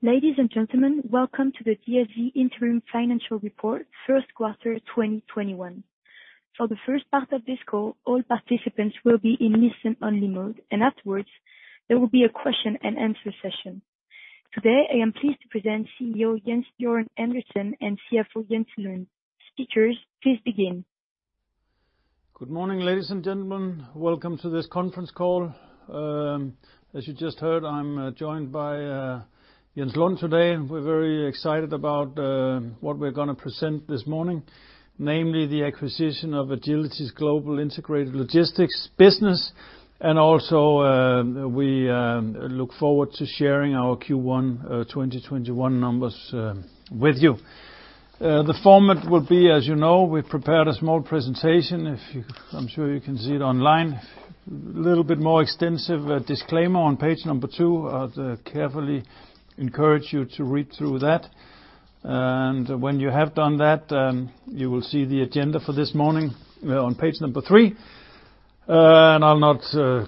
Ladies and gentlemen, welcome to the DSV interim financial report, first quarter 2021. For the first part of this call, all participants will be in listen-only mode, and afterwards, there will be a question and answer session. Today, I am pleased to present CEO Jens Bjørn Andersen and CFO Jens Lund. Speakers, please begin. Good morning, ladies and gentlemen. Welcome to this conference call. As you just heard, I'm joined by Jens Lund today, and we're very excited about what we're going to present this morning, namely the acquisition of Agility's Global Integrated Logistics business. Also, we look forward to sharing our Q1 2021 numbers with you. The format will be, as you know, we prepared a small presentation. I'm sure you can see it online. A little bit more extensive disclaimer on page number two. I carefully encourage you to read through that. When you have done that, you will see the agenda for this morning on page number three. I'll not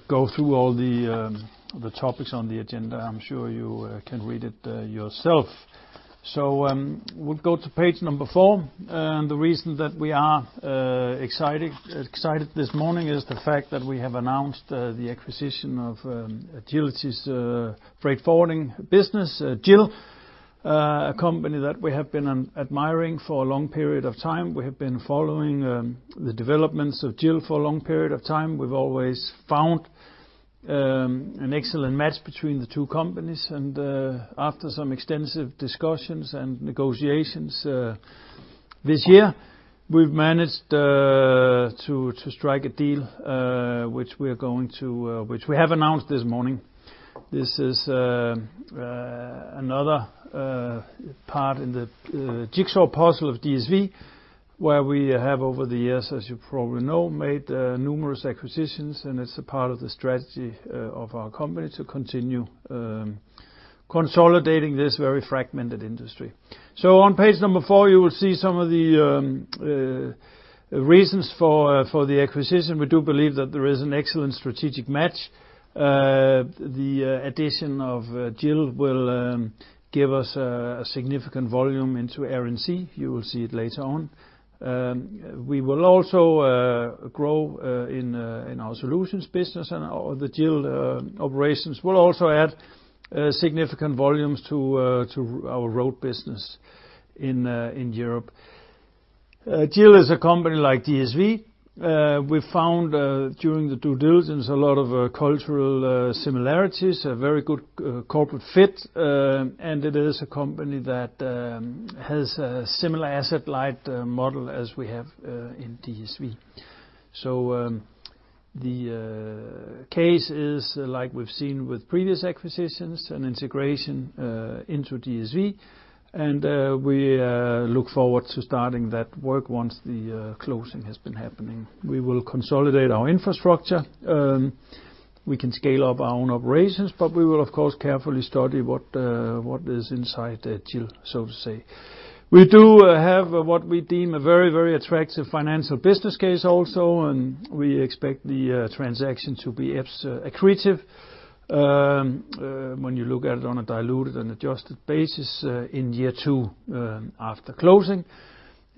go through all the topics on the agenda. I'm sure you can read it yourself. We'll go to page four, and the reason that we are excited this morning is the fact that we have announced the acquisition of Agility's freight forwarding business, GIL, a company that we have been admiring for a long period of time. We have been following the developments of GIL for a long period of time. We've always found an excellent match between the two companies. After some extensive discussions and negotiations this year, we've managed to strike a deal, which we have announced this morning. This is another part in the jigsaw puzzle of DSV, where we have, over the years, as you probably know, made numerous acquisitions, and it's a part of the strategy of our company to continue consolidating this very fragmented industry. On page four, you will see some of the reasons for the acquisition. We do believe that there is an excellent strategic match. The addition of GIL will give us a significant volume into Air & Sea. You will see it later on. We will also grow in our Solutions business, and the GIL operations will also add significant volumes to our Road business in Europe. GIL is a company like DSV. We found, during the due diligence, a lot of cultural similarities, a very good corporate fit, and it is a company that has a similar asset-light model as we have in DSV. The case is like we've seen with previous acquisitions, an integration into DSV, and we look forward to starting that work once the closing has been happening. We will consolidate our infrastructure. We can scale up our own operations, but we will, of course, carefully study what is inside GIL, so to say. We do have what we deem a very, very attractive financial business case also, and we expect the transaction to be accretive when you look at it on a diluted and adjusted basis in year two after closing.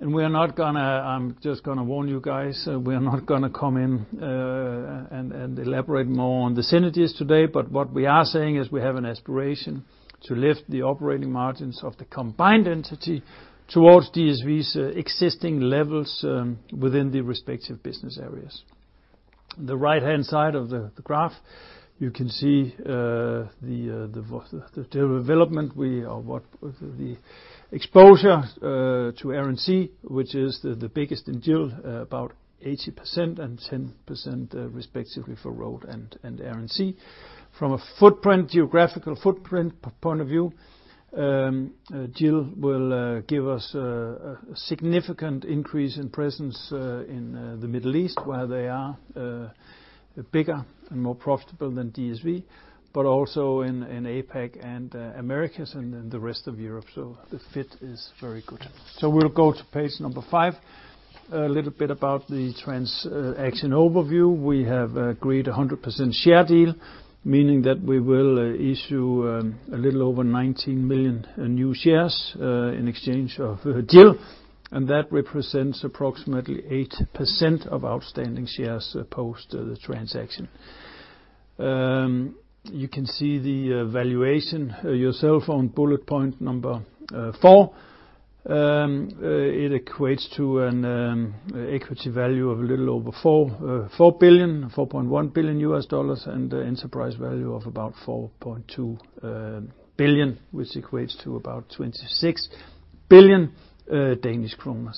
I'm just going to warn you guys, we're not going to come in and elaborate more on the synergies today. What we are saying is we have an aspiration to lift the operating margins of the combined entity towards DSV's existing levels within the respective business areas. The right-hand side of the graph, you can see the development or the exposure to Air & Sea, which is the biggest in GIL, about 80% and 10%, respectively, for Road and Air & Sea. From a geographical footprint point of view, GIL will give us a significant increase in presence in the Middle East, where they are bigger and more profitable than DSV, but also in APAC and Americas and in the rest of Europe. The fit is very good. We'll go to page number five, a little bit about the transaction overview. We have agreed 100% share deal, meaning that we will issue a little over 19 million new shares in exchange of GIL, and that represents approximately 8% of outstanding shares post the transaction. You can see the valuation yourself on bullet point number four. It equates to an equity value of a little over $4.1 billion, and enterprise value of about $4.2 billion, which equates to about 26 billion Danish kroner.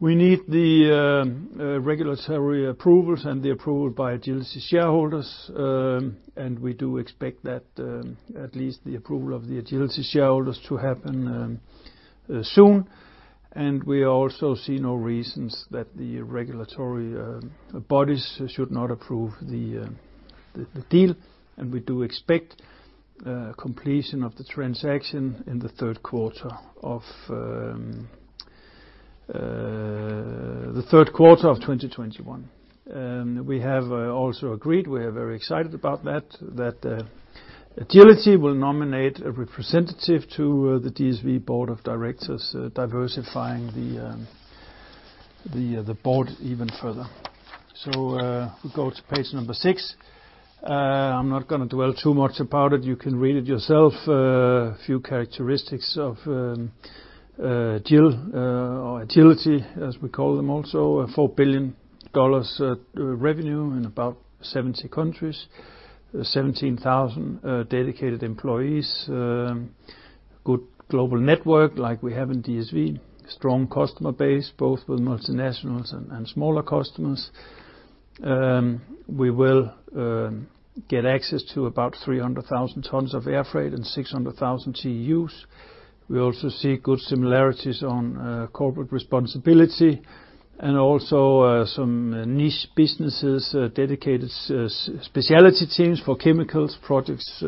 We need the regulatory approvals and the approval by Agility shareholders. We do expect that at least the approval of the Agility shareholders to happen soon. We also see no reasons that the regulatory bodies should not approve the deal. We do expect completion of the transaction in the third quarter of 2021. We have also agreed, we are very excited about that Agility will nominate a representative to the DSV board of directors, diversifying the board even further. We go to page number six. I'm not going to dwell too much upon it. You can read it yourself. A few characteristics of Agility, as we call them also, $4 billion revenue in about 70 countries, 17,000 dedicated employees, good global network like we have in DSV, strong customer base, both with multinationals and smaller customers. We will get access to about 300,000 tons of air freight and 600,000 TEUs. We also see good similarities on corporate responsibility and also some niche businesses, dedicated specialty teams for chemicals, projects,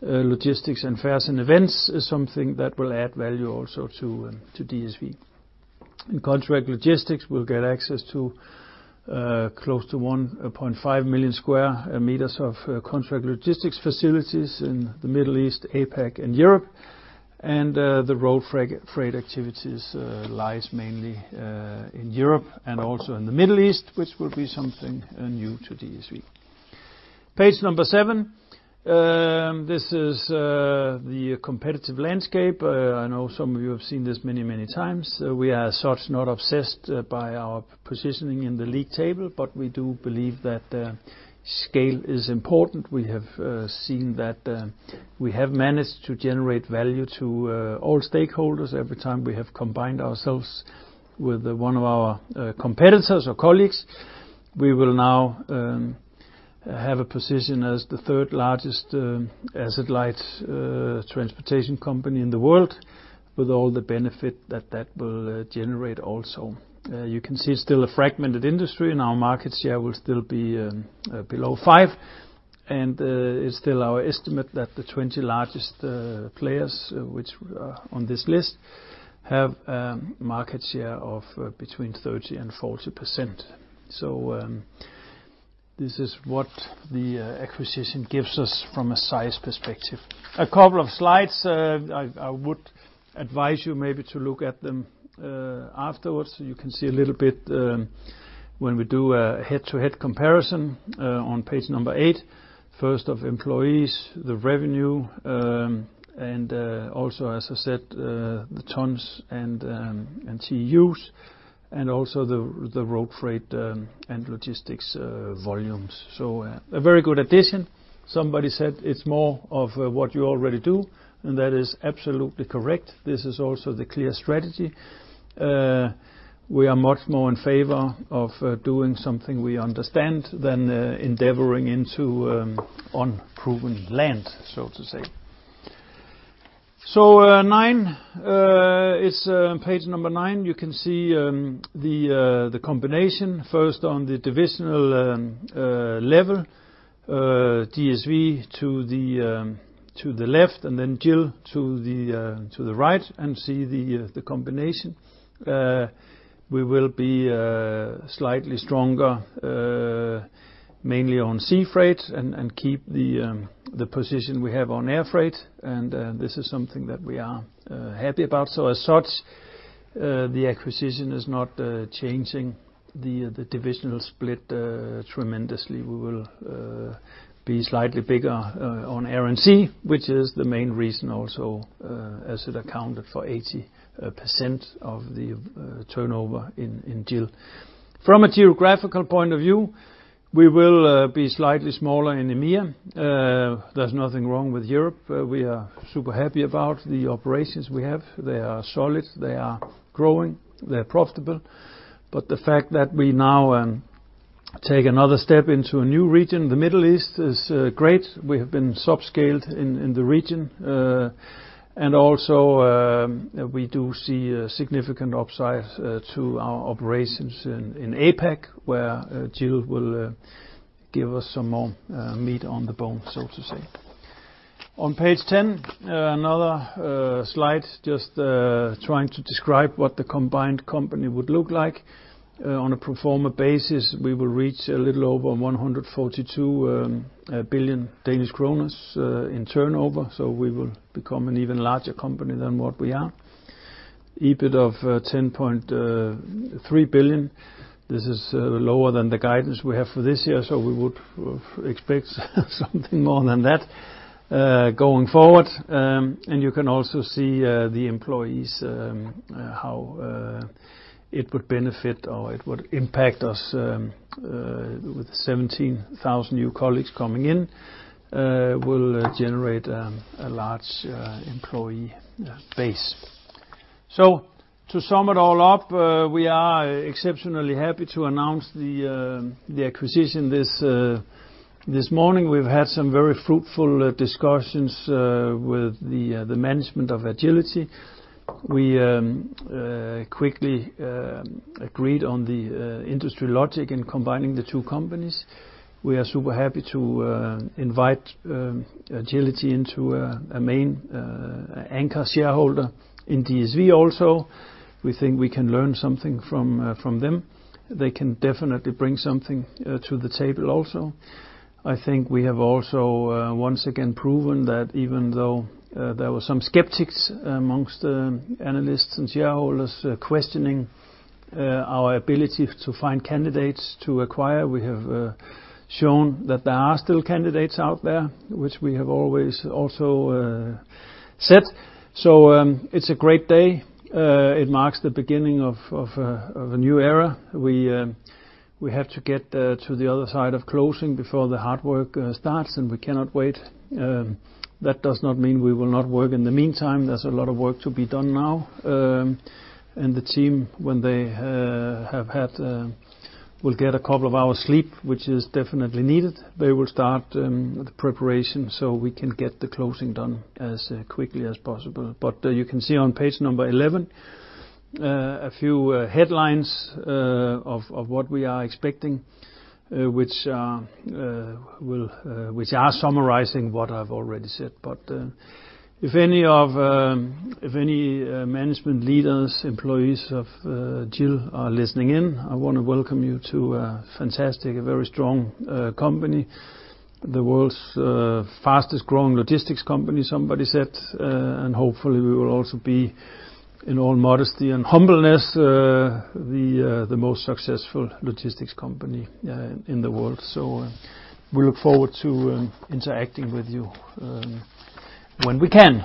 logistics, and fairs and events is something that will add value also to DSV. In contract logistics, we'll get access to close to 1.5 million sq m of contract logistics facilities in the Middle East, APAC, and Europe. The road freight activities lies mainly in Europe and also in the Middle East, which will be something new to DSV. Page number seven. This is the competitive landscape. I know some of you have seen this many, many times. We are as such not obsessed by our positioning in the league table, but we do believe that scale is important. We have seen that we have managed to generate value to all stakeholders every time we have combined ourselves with one of our competitors or colleagues. We will now have a position as the third-largest asset-light transportation company in the world with all the benefit that that will generate also. You can see it's still a fragmented industry, and our market share will still be below 5%. It's still our estimate that the 20 largest players, which are on this list, have a market share of between 30% and 40%. This is what the acquisition gives us from a size perspective. A couple of slides, I would advise you maybe to look at them afterwards, so you can see a little bit when we do a head-to-head comparison on page number eight. First of employees, the revenue, and also, as I said, the tons and TEUs, and also the road freight and logistics volumes. A very good addition. Somebody said it's more of what you already do, and that is absolutely correct. This is also the clear strategy. We are much more in favor of doing something we understand than endeavoring into unproven land, so to say. It's page number nine. You can see the combination, first on the divisional level, DSV to the left and then GIL to the right and see the combination. We will be slightly stronger, mainly on sea freight and keep the position we have on air freight. This is something that we are happy about. As such, the acquisition is not changing the divisional split tremendously. We will be slightly bigger on Air & Sea, which is the main reason also, as it accounted for 80% of the turnover in Agility. From a geographical point of view, we will be slightly smaller in EMEA. There's nothing wrong with Europe. We are super happy about the operations we have. They are solid. They are growing. They are profitable. The fact that we now take another step into a new region, the Middle East, is great. We have been sub-scaled in the region. Also, we do see a significant upside to our operations in APAC, where GIL will give us some more meat on the bone, so to say. On page 10, another slide just trying to describe what the combined company would look like. On a pro forma basis, we will reach a little over 142 billion Danish kroner in turnover, so we will become an even larger company than what we are. EBIT of 10.3 billion. This is lower than the guidance we have for this year, so we would expect something more than that going forward. You can also see the employees, how it would benefit, or it would impact us with 17,000 new colleagues coming in, will generate a large employee base. To sum it all up, we are exceptionally happy to announce the acquisition this morning. We've had some very fruitful discussions with the management of Agility. We quickly agreed on the industry logic in combining the two companies. We are super happy to invite Agility into a main anchor shareholder in DSV also. We think we can learn something from them. They can definitely bring something to the table also. I think we have also, once again, proven that even though there were some skeptics amongst analysts and shareholders questioning our ability to find candidates to acquire, we have shown that there are still candidates out there, which we have always also said. It's a great day. It marks the beginning of a new era. We have to get to the other side of closing before the hard work starts, and we cannot wait. That does not mean we will not work in the meantime. There's a lot of work to be done now. The team, when they will get a couple of hours sleep, which is definitely needed, they will start the preparation so we can get the closing done as quickly as possible. You can see on page number 11 a few headlines of what we are expecting, which are summarizing what I've already said. If any management leaders, employees of GIL are listening in, I want to welcome you to a fantastic, very strong company. The world's fastest growing logistics company, somebody said, and hopefully we will also be, in all modesty and humbleness, the most successful logistics company in the world. We look forward to interacting with you when we can.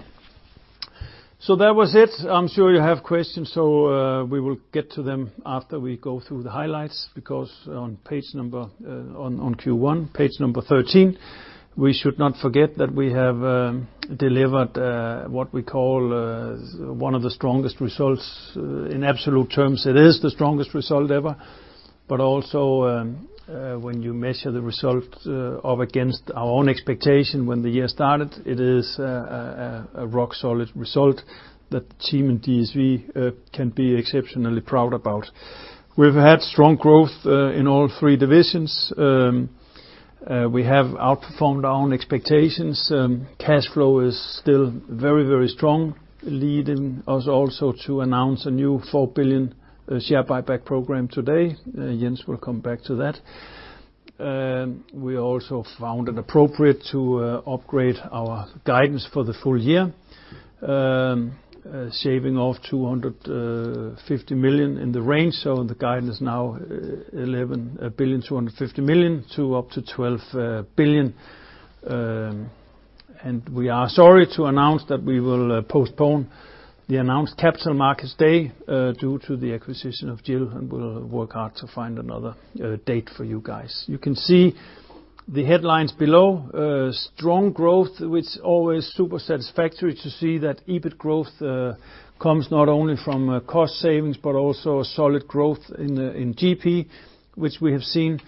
That was it. I'm sure you have questions, so we will get to them after we go through the highlights, because on Q1, page number 13, we should not forget that we have delivered what we call one of the strongest results. In absolute terms, it is the strongest result ever. When you measure the result up against our own expectation when the year started, it is a rock solid result that the team in DSV can be exceptionally proud about. We've had strong growth in all three divisions. We have outperformed our own expectations. Cash flow is still very strong, leading us also to announce a new 4 billion share buyback program today. Jens will come back to that. We also found it appropriate to upgrade our guidance for the full year, shaving off 250 million in the range, so the guidance now 11.25 billion-12 billion. We are sorry to announce that we will postpone the announced Capital Markets Day due to the acquisition of GIL, and we'll work hard to find another date for you guys. You can see the headlines below. Strong growth, which is always super satisfactory to see that EBIT growth comes not only from cost savings but also a solid growth in GP, which we have seen.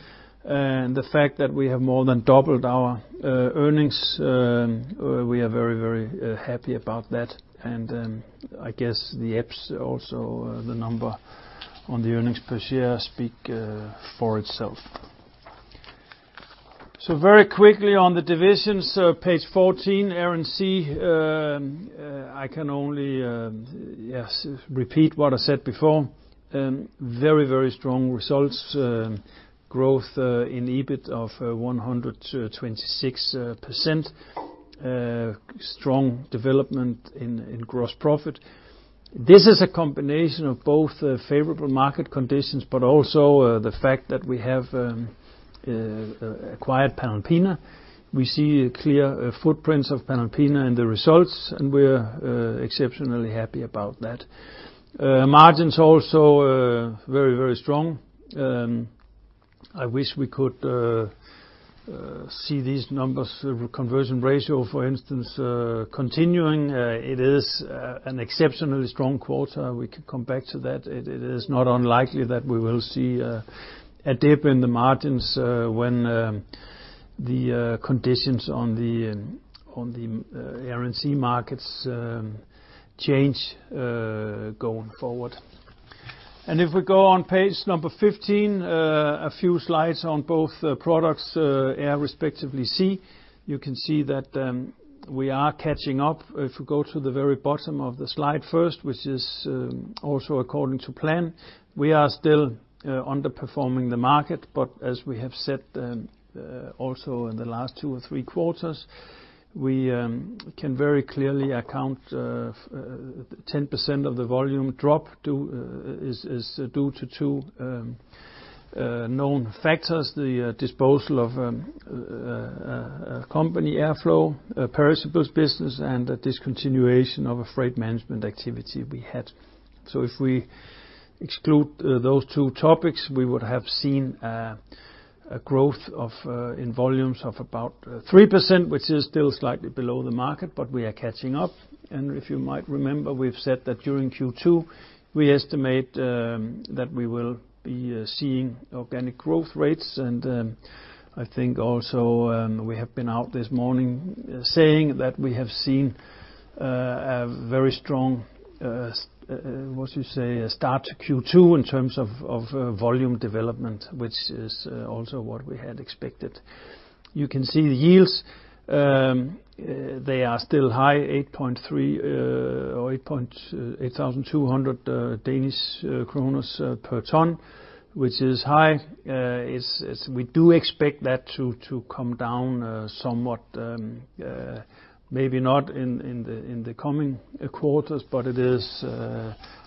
The fact that we have more than doubled our earnings, we are very happy about that. I guess the EPS also, the number on the earnings per share speak for itself. Very quickly on the divisions, page 14, Air & Sea. I can only, yes, repeat what I said before. Very strong results. Growth in EBIT of 126%. Strong development in gross profit. This is a combination of both favorable market conditions, but also the fact that we have acquired Panalpina. We see clear footprints of Panalpina in the results, and we're exceptionally happy about that. Margins also very strong. I wish we could see these numbers, conversion ratio, for instance, continuing. It is an exceptionally strong quarter. We can come back to that. It is not unlikely that we will see a dip in the margins when the conditions on the Air & Sea markets change going forward. If we go on page 15, a few slides on both products, Air respectively Sea. You can see that we are catching up. If we go to the very bottom of the slide first, which is also according to plan, we are still underperforming the market. As we have said also in the last two or three quarters, we can very clearly account 10% of the volume drop is due to two known factors, the disposal of company Airflo, a perishables business, and a discontinuation of a freight management activity we had. If we exclude those two topics, we would have seen a growth in volumes of about 3%, which is still slightly below the market, but we are catching up. If you might remember, we've said that during Q2, we estimate that we will be seeing organic growth rates. I think also we have been out this morning saying that we have seen a very strong start to Q2 in terms of volume development, which is also what we had expected. You can see the yields. They are still high, 8,200 Danish kroner per ton, which is high. We do expect that to come down somewhat, maybe not in the coming quarters, but it is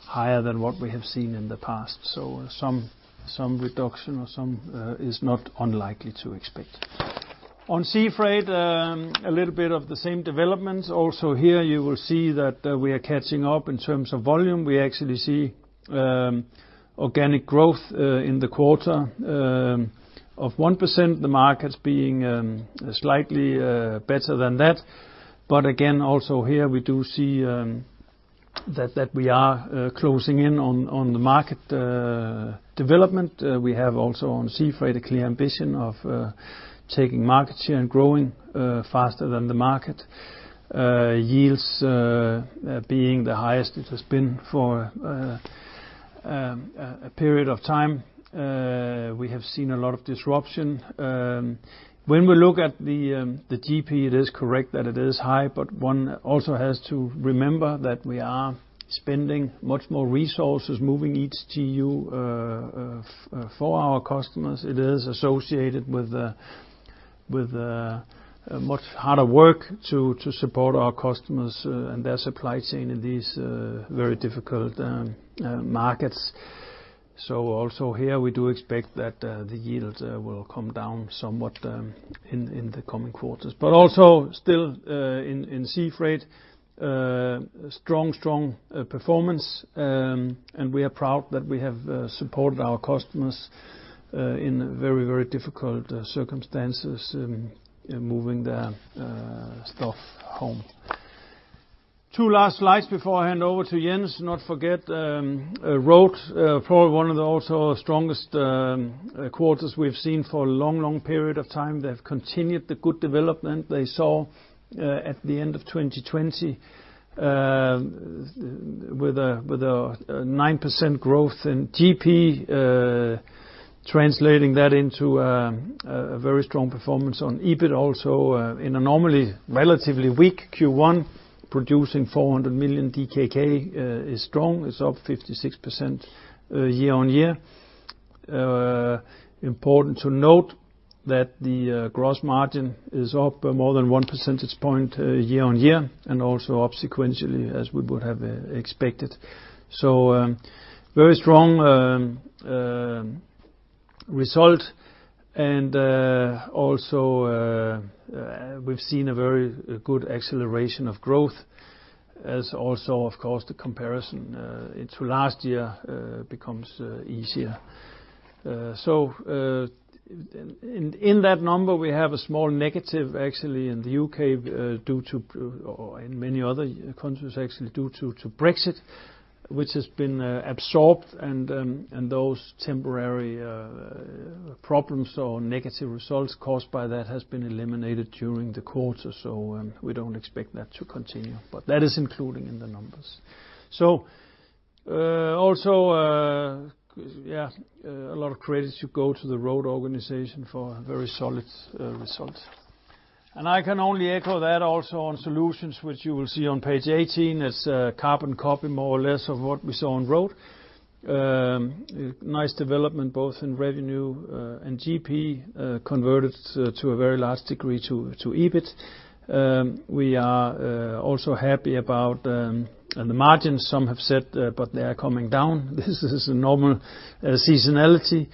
higher than what we have seen in the past. Some reduction is not unlikely to expect. On Sea Freight, a little bit of the same developments. Also here, you will see that we are catching up in terms of volume. We actually see organic growth in the quarter of 1%, the markets being slightly better than that. Again, also here, we do see that we are closing in on the market development. We have also, on Sea Freight, a clear ambition of taking market share and growing faster than the market. Yields being the highest it has been for a period of time. We have seen a lot of disruption. When we look at the GP, it is correct that it is high, one also has to remember that we are spending much more resources moving each TEU for our customers. It is associated with much harder work to support our customers and their supply chain in these very difficult markets. Also here, we do expect that the yields will come down somewhat in the coming quarters. Also, still in Sea Freight, strong performance, and we are proud that we have supported our customers in very difficult circumstances in moving their stuff home. Two last slides before I hand over to Jens. Not forget Road, probably one of the also strongest quarters we've seen for a long period of time. They have continued the good development they saw at the end of 2020 with a 9% growth in GP. Translating that into a very strong performance on EBIT also in a normally relatively weak Q1, producing 400 million DKK is strong. It's up 56% year-on-year. Important to note that the gross margin is up more than one percentage point year-on-year and also up sequentially as we would have expected. A very strong result and also we’ve seen a very good acceleration of growth, as also, of course, the comparison into last year becomes easier. In that number, we have a small negative actually in the U.K. and many other countries, actually, due to Brexit, which has been absorbed and those temporary problems or negative results caused by that has been eliminated during the quarter. We don’t expect that to continue. That is included in the numbers. Also, a lot of credits should go to the Road organization for a very solid result. I can only echo that also on Solutions, which you will see on page 18 as carbon copy, more or less, of what we saw on Road. A nice development both in revenue and GP, converted to a very large degree to EBIT. We are also happy about the margins. Some have said, they are coming down. This is a normal seasonality,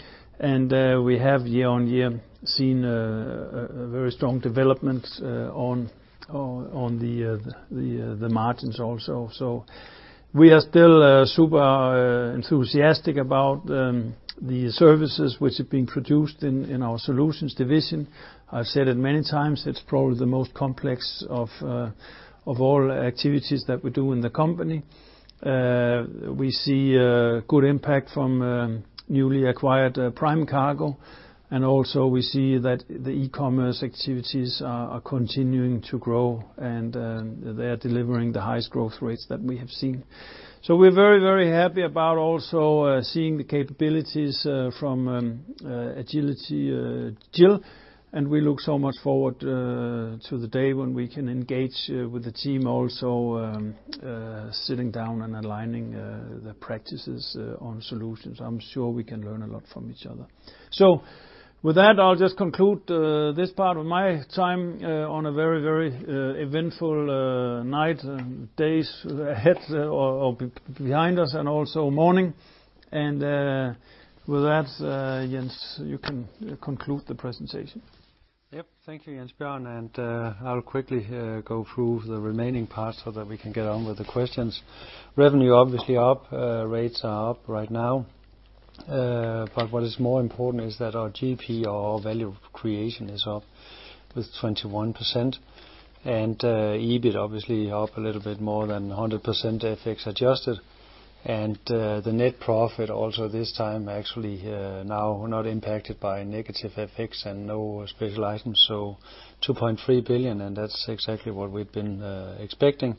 we have year-on-year seen a very strong development on the margins also. We are still super enthusiastic about the services which are being produced in our Solutions division. I've said it many times, it's probably the most complex of all activities that we do in the company. We see a good impact from newly acquired Prime Cargo, and also we see that the e-commerce activities are continuing to grow, and they are delivering the highest growth rates that we have seen. We're very happy about also seeing the capabilities from Agility, GIL, and we look so much forward to the day when we can engage with the team also, sitting down and aligning the practices on Solutions. I'm sure we can learn a lot from each other. With that, I'll just conclude this part of my time on a very eventful night and days ahead or behind us, and also morning. With that, Jens, you can conclude the presentation. Yep. Thank you, Jens Bjørn. I'll quickly go through the remaining parts so that we can get on with the questions. Revenue obviously up. Rates are up right now. What is more important is that our GP or our value creation is up with 21%, and EBIT obviously up a little bit more than 100% FX adjusted. The net profit also this time actually now not impacted by negative FX and no special items. 2.3 billion, and that's exactly what we've been expecting,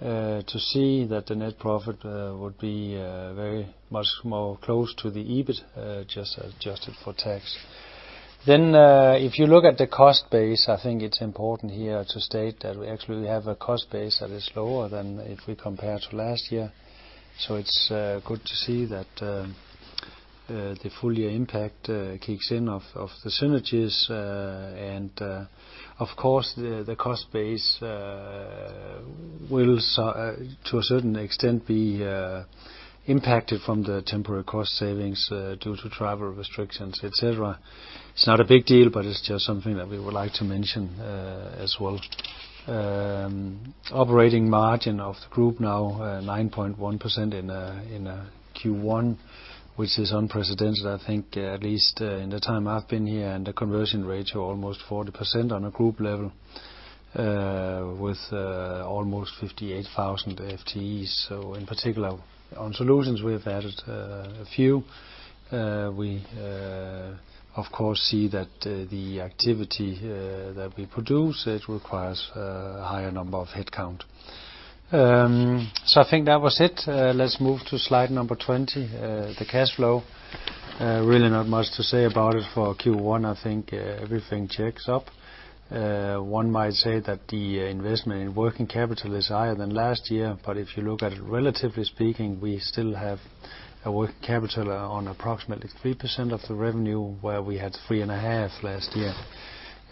to see that the net profit would be very much more close to the EBIT, just adjusted for tax. If you look at the cost base, I think it's important here to state that we actually have a cost base that is lower than if we compare to last year. It's good to see that the full year impact kicks in of the synergies. Of course, the cost base will, to a certain extent, be impacted from the temporary cost savings due to travel restrictions, et cetera. It's not a big deal, but it's just something that we would like to mention as well. Operating margin of the group now 9.1% in Q1, which is unprecedented, I think, at least in the time I've been here. The conversion rates are almost 40% on a group level with almost 58,000 FTEs. In particular on Solutions, we have added a few. We, of course, see that the activity that we produce, it requires a higher number of headcount. I think that was it. Let's move to slide number 20, the cash flow. Really not much to say about it for Q1. I think everything checks out. One might say that the investment in working capital is higher than last year, but if you look at it, relatively speaking, we still have a working capital on approximately 3% of the revenue, where we had 3.5% last year.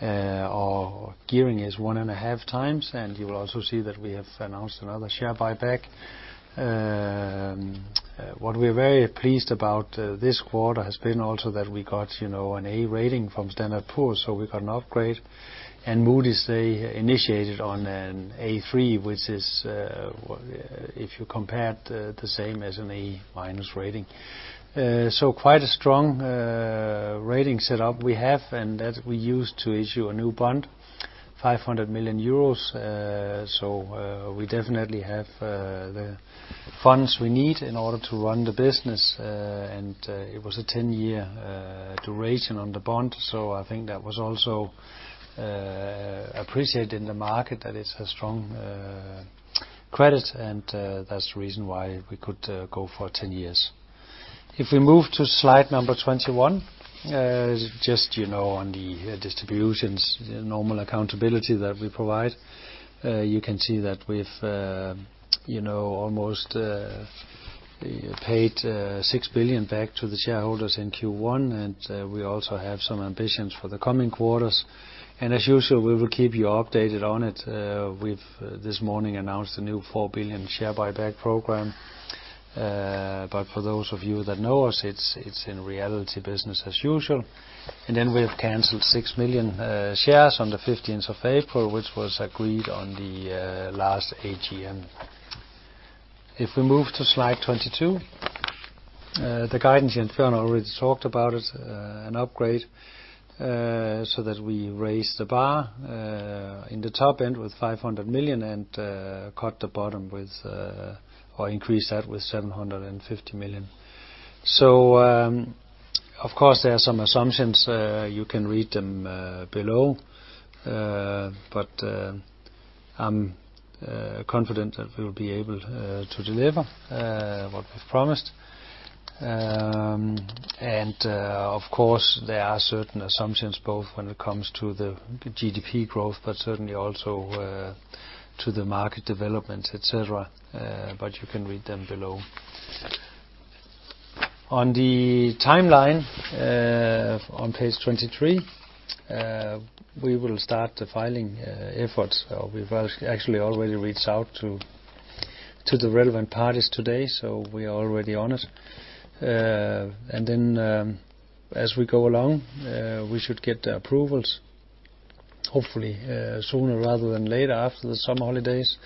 Our gearing is 1.5x, and you will also see that we have announced another share buyback. What we are very pleased about this quarter has been also that we got an A rating from Standard & Poor's, so we got an upgrade. Moody's, they initiated on an A3, which is if you compare it, the same as an A- rating. Quite a strong rating set up we have, and that we used to issue a new bond, 500 million euros. We definitely have the funds we need in order to run the business. It was a 10-year duration on the bond. I think that was also appreciated in the market that it's a strong credit. That's the reason why we could go for 10 years. If we move to slide number 21, just on the distributions, normal accountability that we provide. You can see that we've almost paid 6 billion back to the shareholders in Q1. We also have some ambitions for the coming quarters. As usual, we will keep you updated on it. We've this morning announced a new 4 billion share buyback program. For those of you that know us, it's in reality business as usual. We have canceled 6 million shares on the 15th of April, which was agreed on the last AGM. If we move to slide 22, the guidance. Bjørn already talked about it, an upgrade. We raised the bar in the top end with 500 million and cut the bottom with or increased that with 750 million. Of course, there are some assumptions. You can read them below. I'm confident that we'll be able to deliver what we've promised. Of course, there are certain assumptions both when it comes to the GDP growth, but certainly also to the market development, et cetera. You can read them below. On the timeline, on page 23, we will start the filing efforts. We've actually already reached out to the relevant parties today, so we are already on it. As we go along, we should get the approvals, hopefully sooner rather than later after the summer holidays.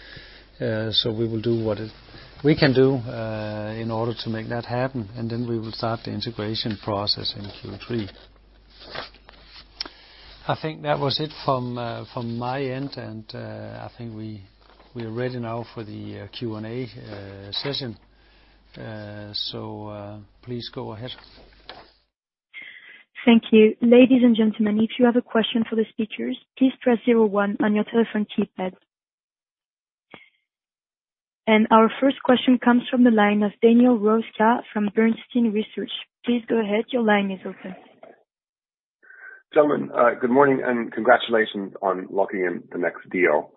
We will do what we can do in order to make that happen, and then we will start the integration process in Q3. I think that was it from my end, and I think we are ready now for the Q&A session. Please go ahead. Thank you. Ladies and gentlemen, if you have a question for the speakers, please press zero one on your telephone keypad. Our first question comes from the line of Daniel Roeska from Bernstein Research. Please go ahead. Your line is open. Gentlemen, good morning, and congratulations on locking in the next deal.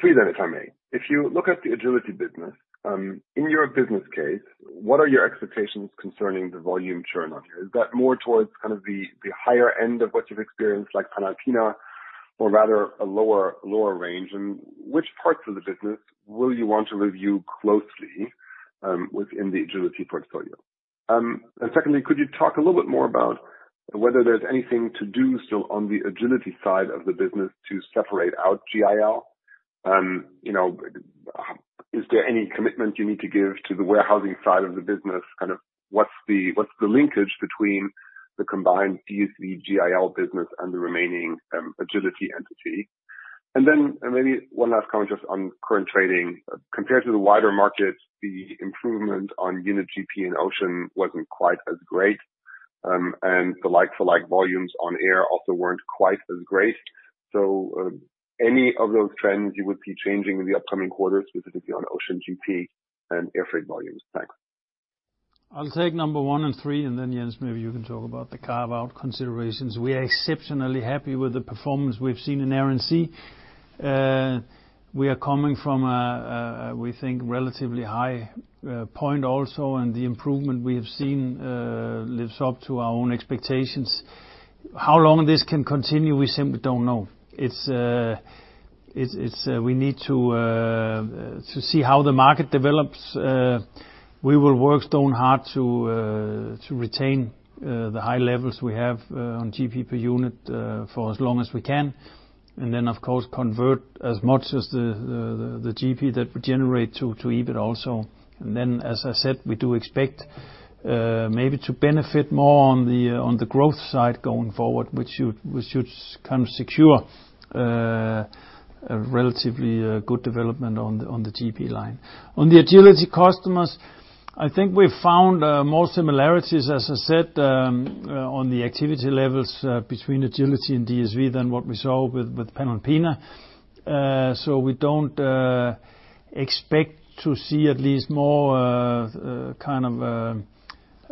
Three then, if I may. If you look at the Agility business, in your business case, what are your expectations concerning the volume churn on here? Is that more towards kind of the higher end of what you've experienced, like Panalpina, or rather a lower range? Which parts of the business will you want to review closely within the Agility portfolio? Secondly, could you talk a little bit more about whether there's anything to do still on the Agility side of the business to separate out GIL? Is there any commitment you need to give to the warehousing side of the business? Kind of what's the linkage between the combined DSV GIL business and the remaining Agility entity? Maybe one last comment just on current trading. Compared to the wider market, the improvement on unit GP in Ocean wasn't quite as great. The like-for-like volumes on air also weren't quite as great. Any of those trends you would be changing in the upcoming quarters, specifically on Ocean GP and air freight volumes? Thanks. I'll take number one and three, and then, Jens, maybe you can talk about the carve-out considerations. We are exceptionally happy with the performance we've seen in Air & Sea. We are coming from, we think, relatively high point also, and the improvement we have seen lives up to our own expectations. How long this can continue, we simply don't know. We need to see how the market develops. We will work stone hard to retain the high levels we have on GP per unit, for as long as we can. Of course, convert as much as the GP that we generate to EBIT also. As I said, we do expect maybe to benefit more on the growth side going forward, which should kind of secure a relatively good development on the GP line. On the Agility customers, I think we've found more similarities, as I said, on the activity levels between Agility and DSV than what we saw with Panalpina. We don't expect to see at least more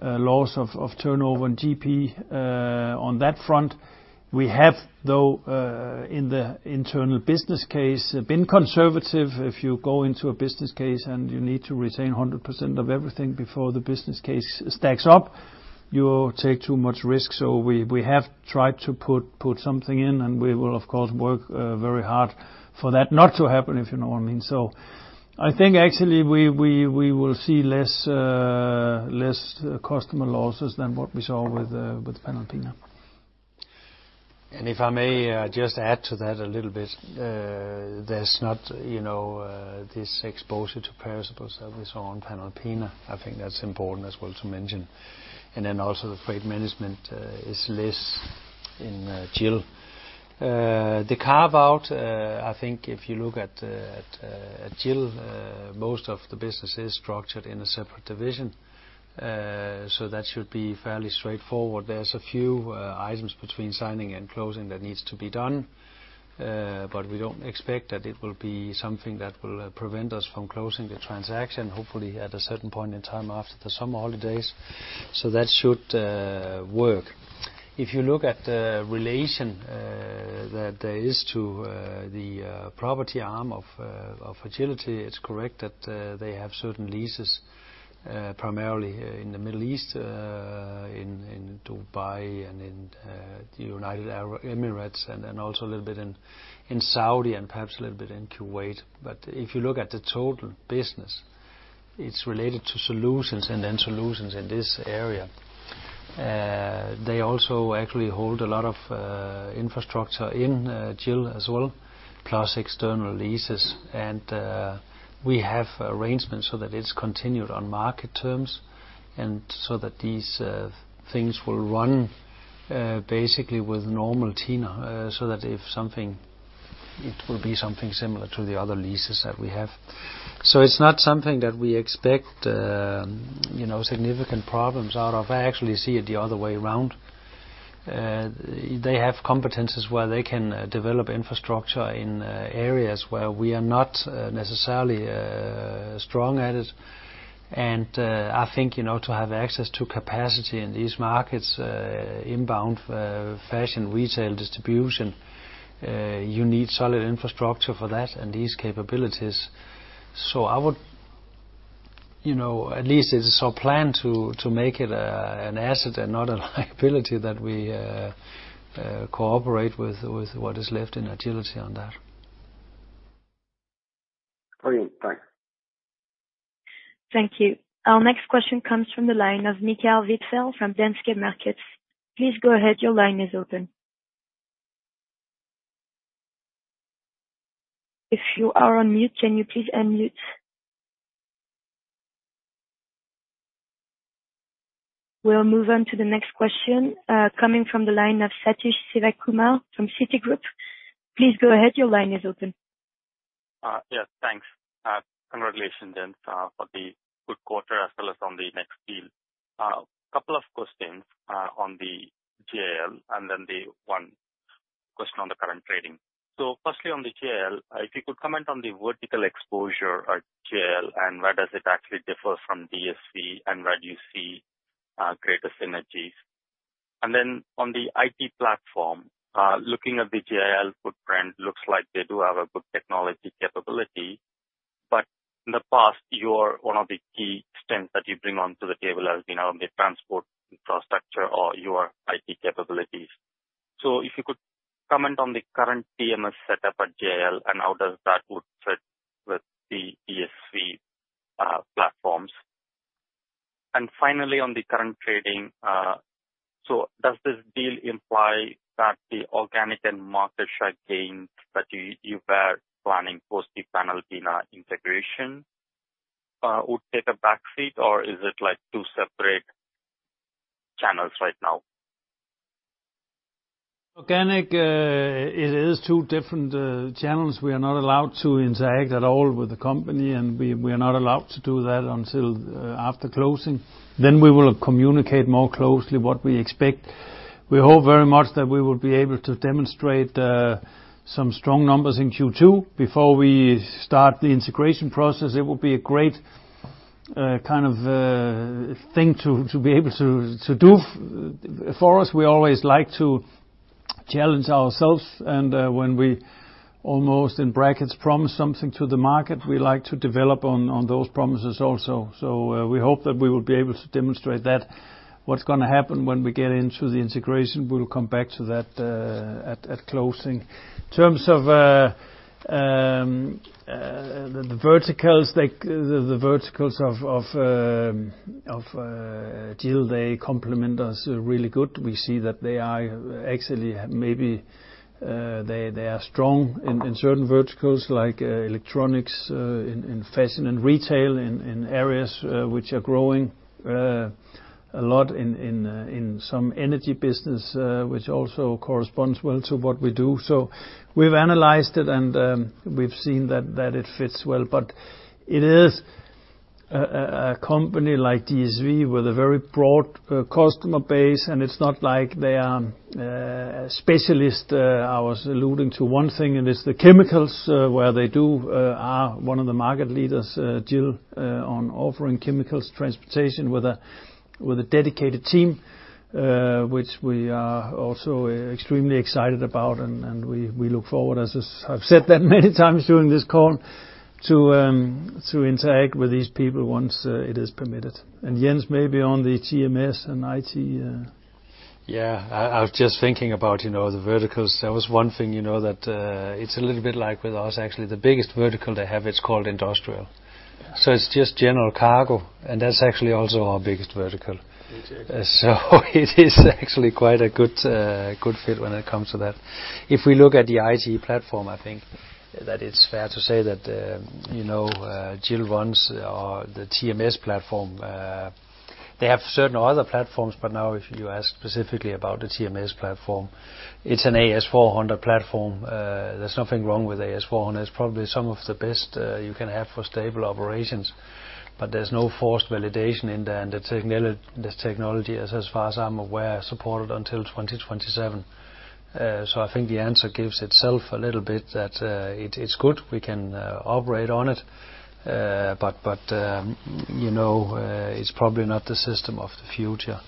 loss of turnover and GP on that front. We have, though, in the internal business case, been conservative. If you go into a business case and you need to retain 100% of everything before the business case stacks up, you take too much risk. We have tried to put something in, and we will, of course, work very hard for that not to happen, if you know what I mean. I think actually we will see less customer losses than what we saw with Panalpina. If I may just add to that a little bit. There's not this exposure to perishables that we saw on Panalpina. I think that's important as well to mention. Also the freight management is less in GIL. The carve-out, I think if you look at GIL, most of the business is structured in a separate division. That should be fairly straightforward. There's a few items between signing and closing that needs to be done. We don't expect that it will be something that will prevent us from closing the transaction, hopefully at a certain point in time after the summer holidays. That should work. If you look at the relation that there is to the property arm of Agility, it's correct that they have certain leases, primarily in the Middle East, in Dubai and in the United Arab Emirates, and then also a little bit in Saudi and perhaps a little bit in Kuwait. If you look at the total business, it's related to Solutions and then Solutions in this area. They also actually hold a lot of infrastructure in GIL as well, plus external leases. We have arrangements so that it's continued on market terms, and so that these things will run basically with normal tenure. If something, it will be something similar to the other leases that we have. It's not something that we expect significant problems out of. I actually see it the other way around. They have competencies where they can develop infrastructure in areas where we are not necessarily strong at it. I think, to have access to capacity in these markets, inbound fashion, retail, distribution, you need solid infrastructure for that and these capabilities. At least it's our plan to make it an asset and not a liability that we cooperate with what is left in Agility on that. Brilliant. Thanks. Thank you. Our next question comes from the line of Mikael Wintzell from Danske Markets. We'll move on to the next question, coming from the line of Sathish Sivakumar from Citigroup. Yes. Thanks. Congratulations, Jens, for the good quarter, as well as on the next deal. Couple of questions on the GIL. The one question on the current trading. Firstly, on the GIL, if you could comment on the vertical exposure at GIL, and where does it actually differ from DSV, and where do you see greater synergies? On the IT platform, looking at the GIL footprint looks like they do have a good technology capability. In the past, one of the key strengths that you bring onto the table has been on the transport infrastructure or your IT capabilities. If you could comment on the current TMS setup at GIL, and how does that would fit with the DSV platforms? Finally, on the current trading, does this deal imply that the organic and market share gains that you were planning post the Panalpina integration would take a back seat, or is it like two separate channels right now? Organic, it is two different channels. We are not allowed to interact at all with the company, and we are not allowed to do that until after closing. We will communicate more closely what we expect. We hope very much that we will be able to demonstrate some strong numbers in Q2 before we start the integration process. It will be a great thing to be able to do for us. We always like to challenge ourselves and when we, almost in brackets, promise something to the market, we like to develop on those promises also. We hope that we will be able to demonstrate that. What's going to happen when we get into the integration, we'll come back to that at closing. In terms of the verticals of GIL, they complement us really good. We see that they are strong in certain verticals, like electronics, in fashion and retail, in areas which are growing a lot, in some energy business, which also corresponds well to what we do. We've analyzed it and we've seen that it fits well, but it is a company like DSV with a very broad customer base, and it's not like they are specialists. I was alluding to one thing, and it's the chemicals where they are one of the market leaders, GIL, on offering chemicals transportation with a dedicated team, which we are also extremely excited about. We look forward, as I've said that many times during this call, to interact with these people once it is permitted. Jens, maybe on the TMS and IT? Yeah. I was just thinking about the verticals. That was one thing, that it's a little bit like with us actually. The biggest vertical they have, it's called industrial. It's just general cargo, and that's actually also our biggest vertical. Exactly. It is actually quite a good fit when it comes to that. If we look at the IT platform, I think that it's fair to say that GIL runs the TMS platform. They have certain other platforms, but now if you ask specifically about the TMS platform, it's an AS400 platform. There's nothing wrong with AS400. It's probably some of the best you can have for stable operations, but there's no forced validation in there. This technology is, as far as I'm aware, supported until 2027. I think the answer gives itself a little bit that it's good we can operate on it. It's probably not the system of the future.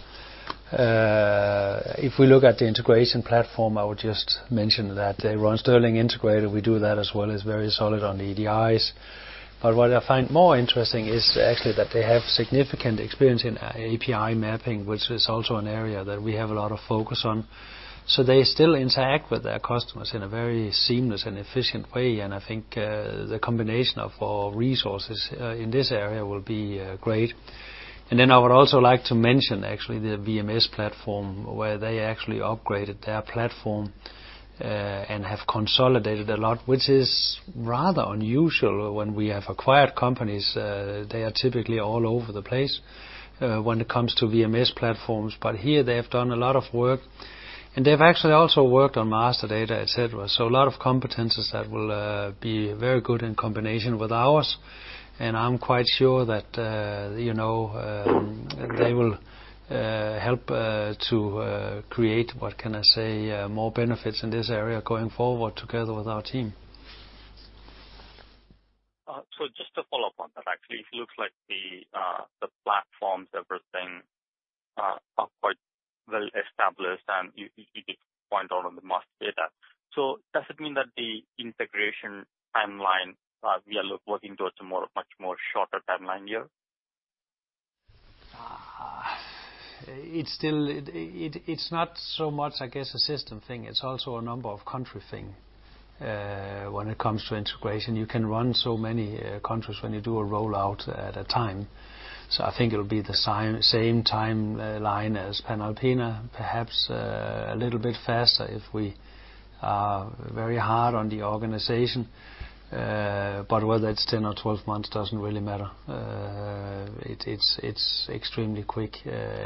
If we look at the integration platform, I would just mention that they run Sterling Integrator. We do that as well. It's very solid on the EDIs. What I find more interesting is actually that they have significant experience in API mapping, which is also an area that we have a lot of focus on. They still interact with their customers in a very seamless and efficient way, and I think the combination of our resources in this area will be great. Then I would also like to mention actually the WMS platform, where they actually upgraded their platform, and have consolidated a lot, which is rather unusual. When we have acquired companies, they are typically all over the place when it comes to WMS platforms. Here they have done a lot of work, and they've actually also worked on master data, et cetera. A lot of competencies that will be very good in combination with ours. I'm quite sure that they will help to create, what can I say, more benefits in this area going forward together with our team. Just to follow up on that. Actually, it looks like the platforms, everything, are quite well-established, and you did point out on the master data. Does it mean that the integration timeline, we are working towards a much more shorter timeline here? It's not so much, I guess, a system thing. It's also a number of country thing. When it comes to integration, you can run so many countries when you do a rollout at a time. I think it'll be the same timeline as Panalpina. Perhaps a little bit faster if we are very hard on the organization. Whether it's 10 or 12 months doesn't really matter. It's extremely quick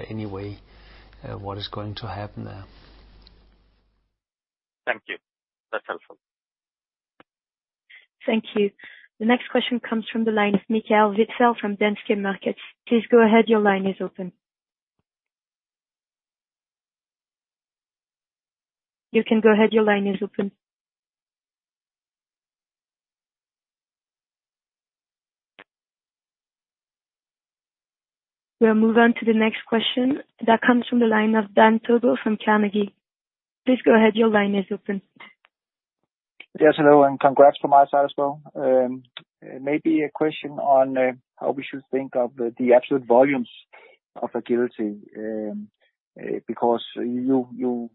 anyway, what is going to happen there. Thank you. That's helpful. Thank you. The next question comes from the line of Mikael Wintzell from Danske Markets. Please go ahead. You can go ahead. We'll move on to the next question that comes from the line of Dan Togo from Carnegie. Please go ahead. Yes, hello, congrats from my side as well. A question on how we should think of the absolute volumes of Agility, because you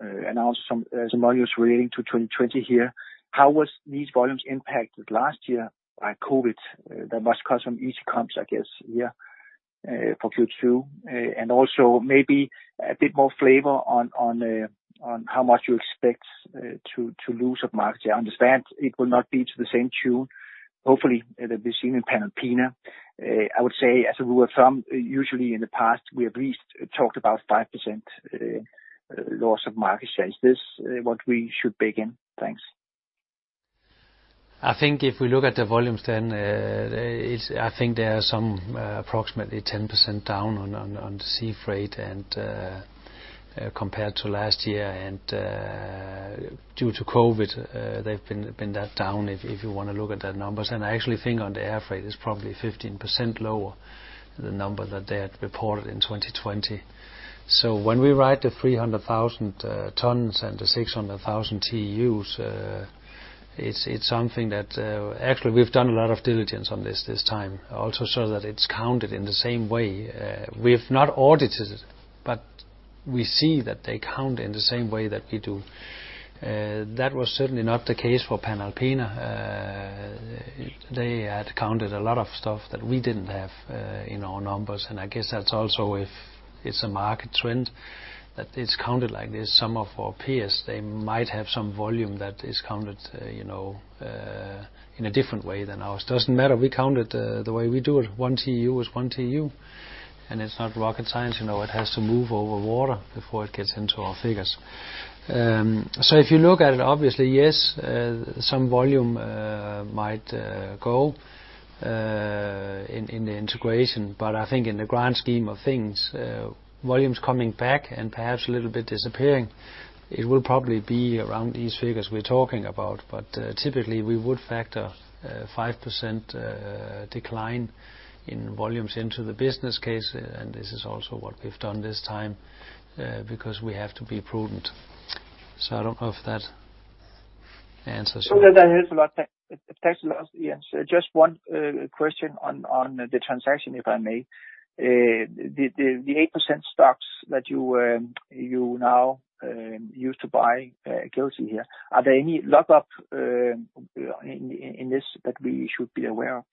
announced some volumes relating to 2020 here. How was these volumes impacted last year by COVID? That must cause some easy comps, I guess, here for Q2. Also a bit more flavor on how much you expect to lose of market share. I understand it will not be to the same tune. Hopefully, it will be seen in Panalpina. I would say, as a rule of thumb, usually in the past, we have at least talked about 5% loss of market shares. Is this what we should bake in? Thanks. If we look at the volumes, there are some approximately 10% down on Sea freight compared to last year, due to COVID, they've been that down, if you want to look at the numbers. I actually think on the airfreight, it's probably 15% lower, the number that they had reported in 2020. When we write the 300,000 tons and the 600,000 TEUs, it's something that actually, we've done a lot of diligence on this this time, also so that it's counted in the same way. We've not audited, but we see that they count in the same way that we do. That was certainly not the case for Panalpina. They had counted a lot of stuff that we didn't have in our numbers, I guess that's also, if it's a market trend, that it's counted like this. Some of our peers, they might have some volume that is counted in a different way than ours. Doesn't matter. We count it the way we do it. One TEU is one TEU. It's not rocket science. It has to move over water before it gets into our figures. If you look at it, obviously, yes, some volume might go in the integration. I think in the grand scheme of things, volumes coming back and perhaps a little bit disappearing, it will probably be around these figures we're talking about. Typically, we would factor 5% decline in volumes into the business case, this is also what we've done this time, because we have to be prudent. I don't know if that answers. No, that helps a lot. Thanks a lot. One question on the transaction, if I may. The 8% stocks that you now used to buy GIL here, are there any lockup in this that we should be aware of?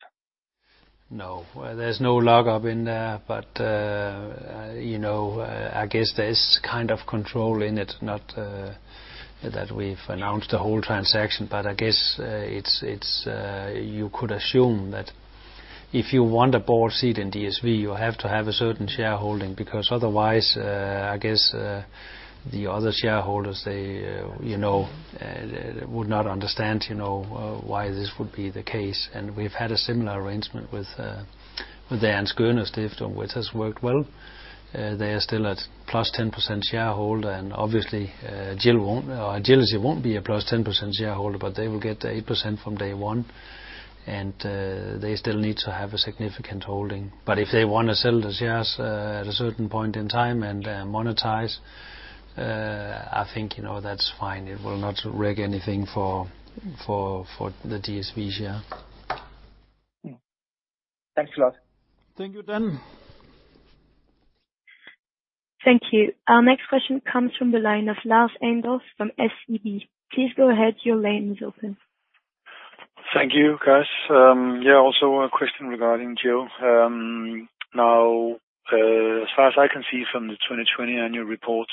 No, there's no lockup in there. I guess there's kind of control in it, not that we've announced the whole transaction. I guess you could assume that if you want a board seat in DSV, you have to have a certain shareholding, because otherwise, I guess the other shareholders, they would not understand why this would be the case. We've had a similar arrangement with the Ernst Göhner, which has worked well. They are still at +10% shareholder, obviously, GIL, it won't be a +10% shareholder, but they will get 8% from day one, and they still need to have a significant holding. If they want to sell the shares at a certain point in time and monetize, I think that's fine. It will not wreck anything for the DSV share. Thanks a lot. Thank you, Dan. Thank you. Our next question comes from the line of Lars Heindorff from SEB. Please go ahead. Your line is open. Thank you, guys. Yeah, also a question regarding GIL. As far as I can see from the 2020 annual reports,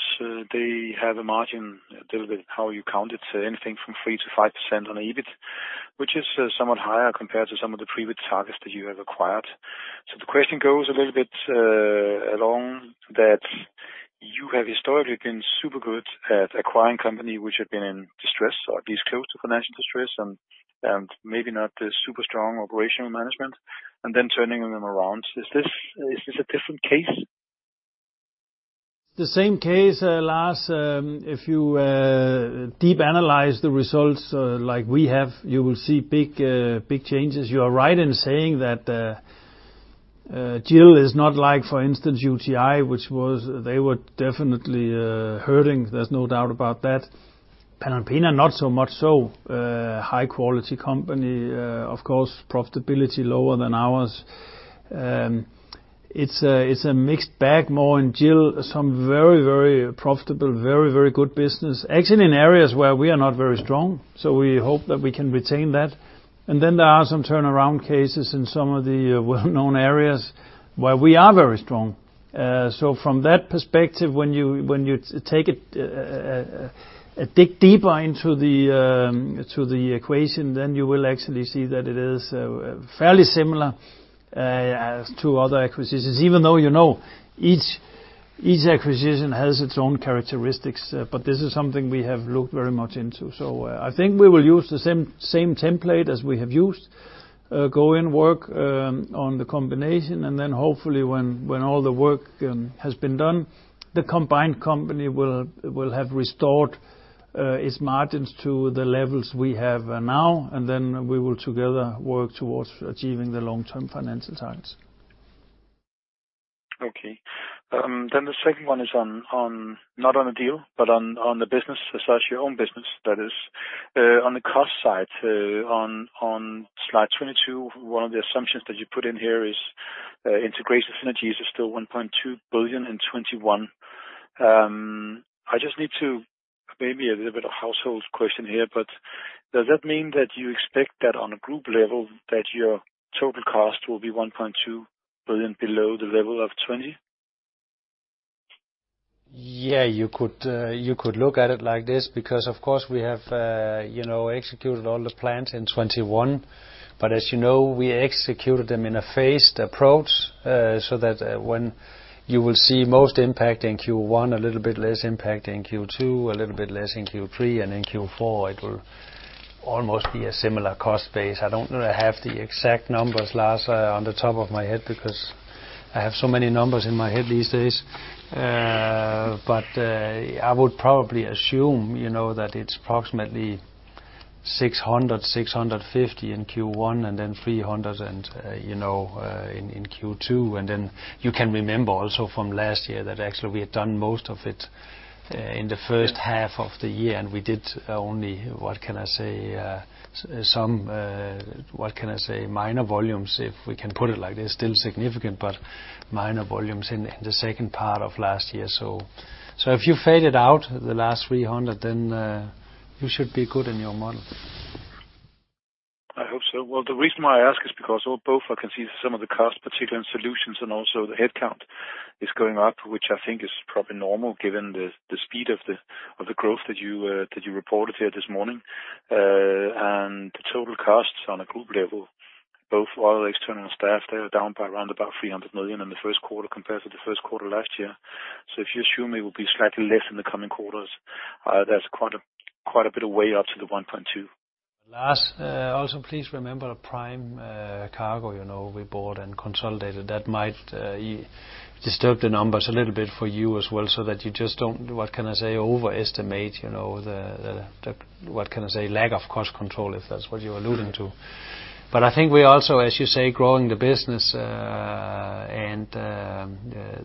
they have a margin, a little bit how you count it, anything from 3%-5% on EBIT, which is somewhat higher compared to some of the previous targets that you have acquired. The question goes a little bit along that you have historically been super good at acquiring company which had been in distress, or at least close to financial distress, and maybe not super strong operational management, and then turning them around. Is this a different case? The same case, Lars. If you deep analyze the results like we have, you will see big changes. You are right in saying that GIL is not like, for instance, UTi, they were definitely hurting. There's no doubt about that. Panalpina, not so much so. High-quality company. Of course, profitability lower than ours. It's a mixed bag more in GIL. Some very, very profitable, very, very good business, actually in areas where we are not very strong. We hope that we can retain that. There are some turnaround cases in some of the well-known areas where we are very strong. From that perspective, when you take a dig deeper into the equation, then you will actually see that it is fairly similar as to other acquisitions, even though you know each acquisition has its own characteristics. This is something we have looked very much into. I think we will use the same template as we have used. Go in, work on the combination, and then hopefully when all the work has been done, the combined company will have restored its margins to the levels we have now, and then we will together work towards achieving the long-term financial targets. Okay. The second one is on, not on a deal, but on the business, as such your own business, that is. On the cost side, on slide 22, one of the assumptions that you put in here is integration synergies are still 1.2 billion in 2021. I just need to, maybe a little bit of household question here, but does that mean that you expect that on a group level, that your total cost will be 1.2 billion below the level of 2020? Yeah, you could look at it like this because, of course, we have executed all the plans in 2021. As you know, we executed them in a phased approach, so that when you will see most impact in Q1, a little bit less impact in Q2, a little bit less in Q3, and in Q4, it will almost be a similar cost base. I don't have the exact numbers, Lars, on the top of my head because I have so many numbers in my head these days. I would probably assume that it's approximately 600 million, 650 million in Q1 and then 300 million in Q2. You can remember also from last year that actually we had done most of it in the first half of the year, and we did only, what can I say? Some minor volumes, if we can put it like this. Still significant, but minor volumes in the second part of last year. If you fade it out, the last 300 million, then you should be good in your model. I hope so. Well, the reason why I ask is because both I can see some of the cost, particularly in Solutions and also the headcount is going up, which I think is probably normal given the speed of the growth that you reported here this morning. The total costs on a group level, both while the external staff, they are down by around about 300 million in the first quarter compared to the first quarter last year. If you assume it will be slightly less in the coming quarters, that's quite a bit of way up to the 1.2 billion. Lars, also, please remember Prime Cargo, we bought and consolidated. That might disturb the numbers a little bit for you as well, so that you just don't, what can I say, overestimate the lack of cost control, if that's what you're alluding to. I think we also, as you say, growing the business, and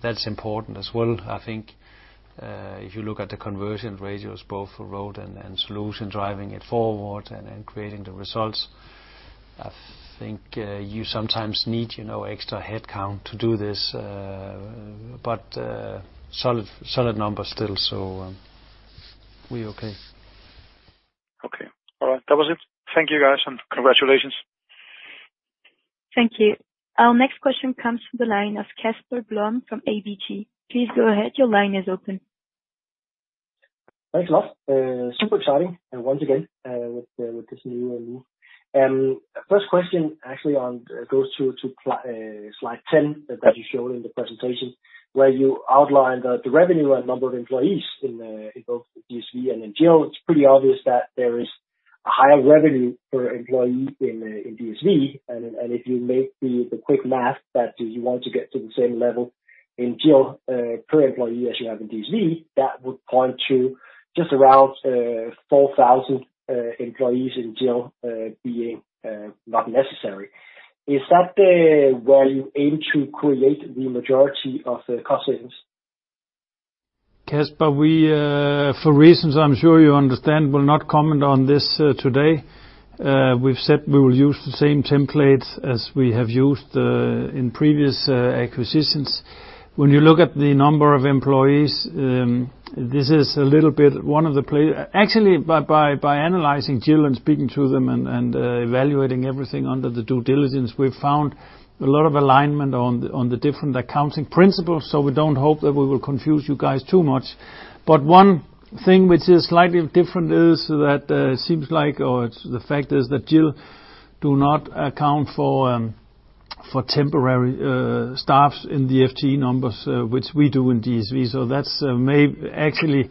that's important as well. I think, if you look at the conversion ratios, both for Road and Solutions, driving it forward and creating the results. I think you sometimes need extra headcount to do this. Solid numbers still, so we okay. Okay. All right. That was it. Thank you, guys, and congratulations. Thank you. Our next question comes from the line of Casper Blom from ABG. Please go ahead. Your line is open. Thanks a lot. Super exciting once again with this new move. First question actually goes to slide 10 that you showed in the presentation, where you outline the revenue and number of employees in both DSV and in GIL. It is pretty obvious that there is a higher revenue per employee in DSV. If you make the quick math that you want to get to the same level in GIL per employee as you have in DSV, that would point to just around 4,000 employees in GIL being not necessary. Is that where you aim to create the majority of the cost savings? Casper, we, for reasons I'm sure you understand, will not comment on this today. We've said we will use the same template as we have used in previous acquisitions. When you look at the number of employees, this is a little bit one of the play. Actually, by analyzing GIL and speaking to them and evaluating everything under the due diligence, we've found a lot of alignment on the different accounting principles. We don't hope that we will confuse you guys too much. One thing which is slightly different is that it seems like, or the fact is that GIL do not account for temporary staffs in the FTE numbers, which we do in DSV. Actually,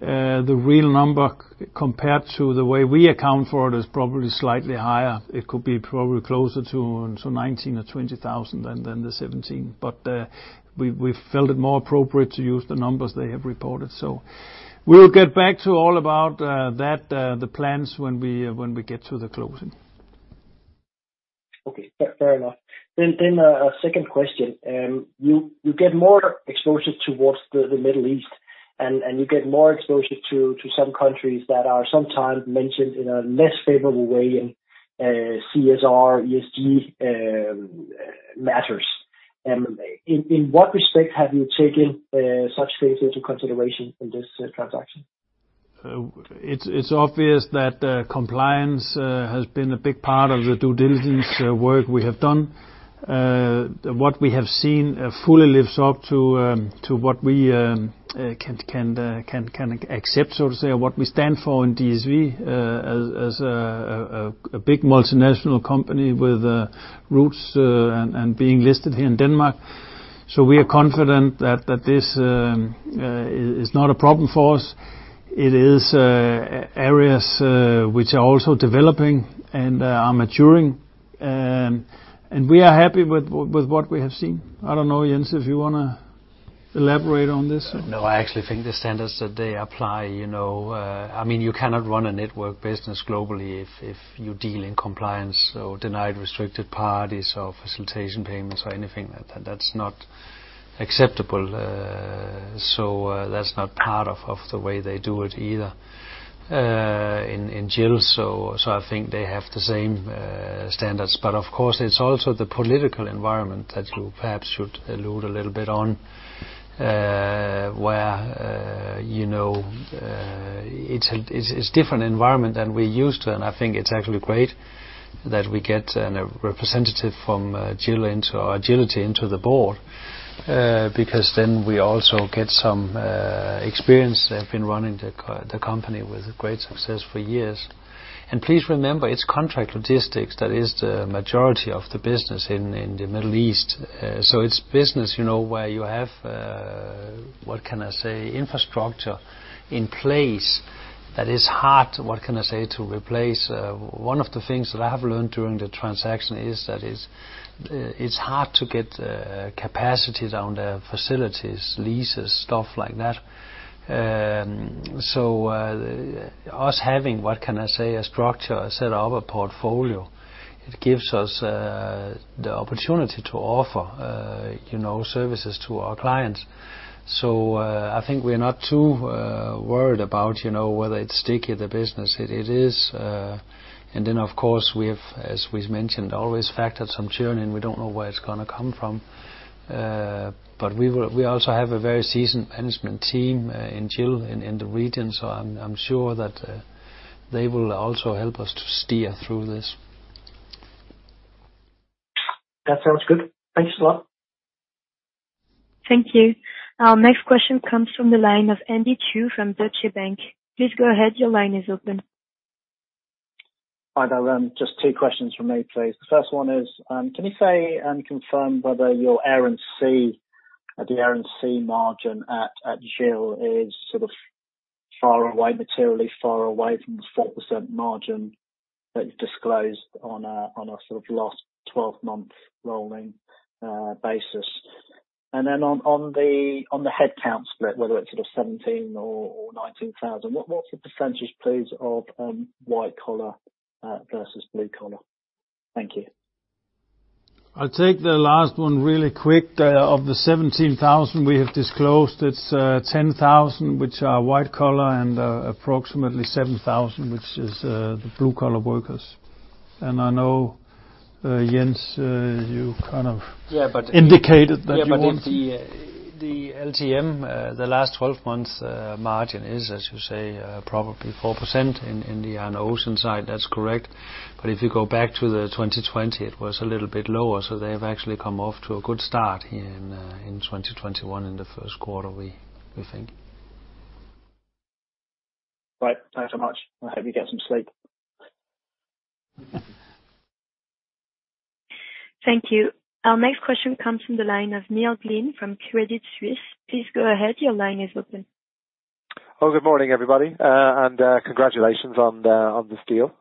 the real number compared to the way we account for it is probably slightly higher. It could be probably closer to 19,000 or 20,000 than the 17,000. We felt it more appropriate to use the numbers they have reported. We'll get back to all about that, the plans, when we get to the closing. Okay. Fair enough. A second question. You get more exposure towards the Middle East and you get more exposure to some countries that are sometimes mentioned in a less favorable way in CSR, ESG matters. In what respect have you taken such things into consideration in this transaction? It's obvious that compliance has been a big part of the due diligence work we have done. What we have seen fully lives up to what we can accept, so to say, or what we stand for in DSV, as a big multinational company with roots and being listed here in Denmark. We are confident that this is not a problem for us. It is areas which are also developing and are maturing. We are happy with what we have seen. I don't know, Jens, if you want to elaborate on this. No, I actually think the standards that they apply, you cannot run a network business globally if you deal in compliance or denied restricted parties or facilitation payments or anything. That's not acceptable. That's not part of the way they do it either in GIL. I think they have the same standards. Of course, it's also the political environment that you perhaps should allude a little bit on, where it's different environment than we're used to, and I think it's actually great that we get a representative from GIL into the board. Then we also get some experience. They've been running the company with great success for years. Please remember, it's contract logistics that is the majority of the business in the Middle East. It's business, where you have infrastructure in place that is hard to replace. One of the things that I have learned during the transaction is that it's hard to get capacity down the facilities, leases, stuff like that. Us having a structure, a setup, a portfolio, it gives us the opportunity to offer services to our clients. I think we're not too worried about whether it's sticky, the business. It is, of course, we have, as we've mentioned, always factored some churn in. We don't know where it's going to come from. We also have a very seasoned management team in GIL in the region, so I'm sure that they will also help us to steer through this. That sounds good. Thanks a lot. Thank you. Our next question comes from the line of Andy Chu from Deutsche Bank. Hi there. Just two questions from me, please. The first one is, can you say and confirm whether your Air& Sea margin at GIL is materially far away from the 4% margin that you've disclosed on a sort of last 12-month rolling basis? Then on the headcount split, whether it's sort of 17,000 or 19,000, what's the percentage, please, of white collar versus blue collar? Thank you. I'll take the last one really quick. Of the 17,000 we have disclosed, it's 10,000 which are white collar and approximately 7,000 which is the blue-collar workers. I know, Jens. Yeah, but- Indicated that you want- Yeah, the LTM, the last 12 months margin is, as you say, probably 4% in the ocean side. That's correct. If you go back to the 2020, it was a little bit lower. They have actually come off to a good start in 2021, in the first quarter, we think. Right. Thanks so much. I hope you get some sleep. Thank you. Our next question comes from the line of Neil Glynn from Credit Suisse. Please go ahead. Oh, good morning, everybody. Congratulations on this deal.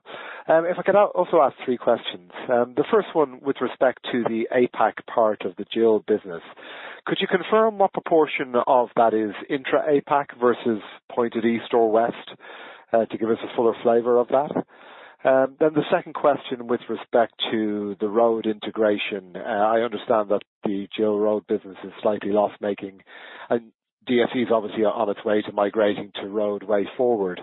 If I could also ask three questions. The first one with respect to the APAC part of the GIL business, could you confirm what proportion of that is intra-APAC versus pointed east or west, to give us a fuller flavor of that? The second question with respect to the Road integration, I understand that the GIL Road business is slightly loss-making, and DSV is obviously on its way to migrating to Roadway Forward.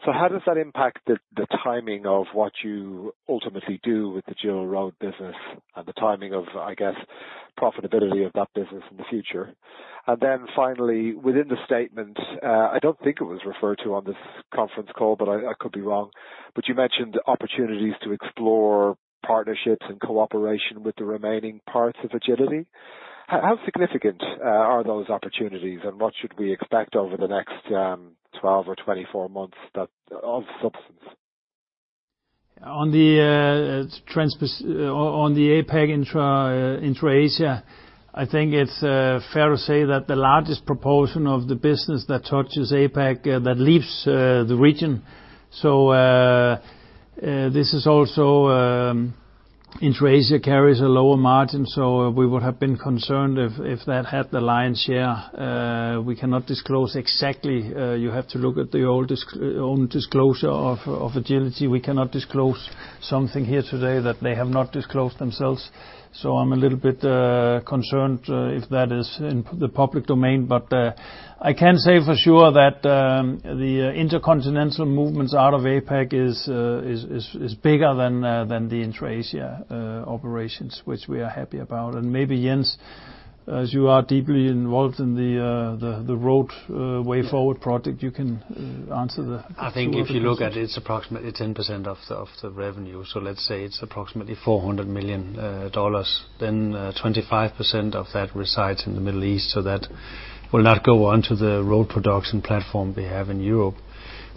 How does that impact the timing of what you ultimately do with the GIL Road business and the timing of, I guess, profitability of that business in the future? Finally, within the statement, I don't think it was referred to on this conference call, but I could be wrong, but you mentioned opportunities to explore partnerships and cooperation with the remaining parts of Agility. How significant are those opportunities, and what should we expect over the next 12 or 24 months of substance? On the APAC intra-Asia, I think it's fair to say that the largest proportion of the business that touches APAC, that leaves the region. This is also intra-Asia carries a lower margin, so we would have been concerned if that had the lion's share. We cannot disclose exactly. You have to look at the old disclosure of Agility. We cannot disclose something here today that they have not disclosed themselves. I'm a little bit concerned if that is in the public domain. I can say for sure that the intercontinental movements out of APAC is bigger than the intra-Asia operations, which we are happy about. Maybe, Jens, as you are deeply involved in the Roadway Forward project, you can answer the two other questions. I think if you look at it's approximately 10% of the revenue. Let's say it's approximately DKK 400 million. 25% of that resides in the Middle East, so that will not go onto the Road production platform we have in Europe.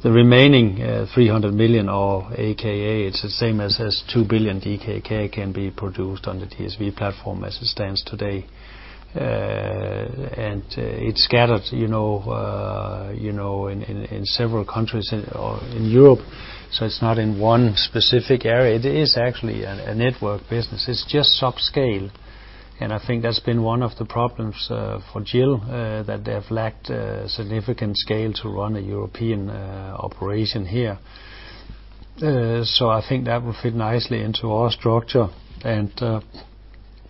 The remaining 300 million or AKA, it's the same as 2 billion DKK can be produced on the DSV platform as it stands today. It's scattered in several countries in Europe, it's not in one specific area. It is actually a network business. It's just sub-scale, I think that's been one of the problems for GIL, that they have lacked significant scale to run a European operation here. I think that will fit nicely into our structure, and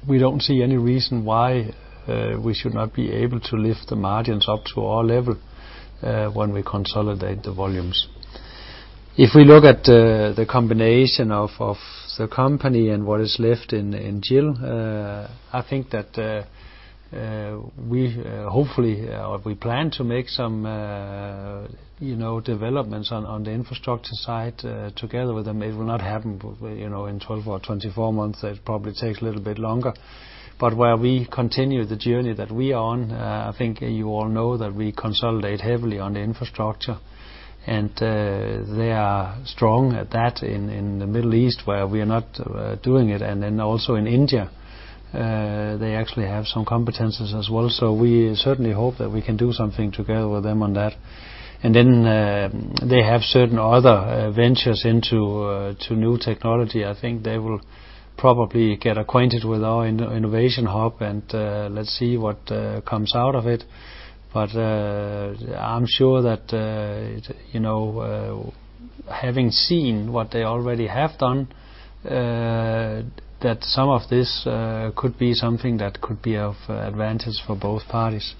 we don't see any reason why we should not be able to lift the margins up to our level when we consolidate the volumes. If we look at the combination of the company and what is left in GIL, I think that we plan to make some developments on the infrastructure side together with them. It will not happen in 12 or 24 months. It probably takes a little bit longer. Where we continue the journey that we are on, I think you all know that we consolidate heavily on the infrastructure. They are strong at that in the Middle East where we are not doing it. Also in India, they actually have some competencies as well. We certainly hope that we can do something together with them on that. They have certain other ventures into new technology. I think they will probably get acquainted with our innovation hub and let's see what comes out of it. I'm sure that having seen what they already have done, that some of this could be something that could be of advantage for both parties.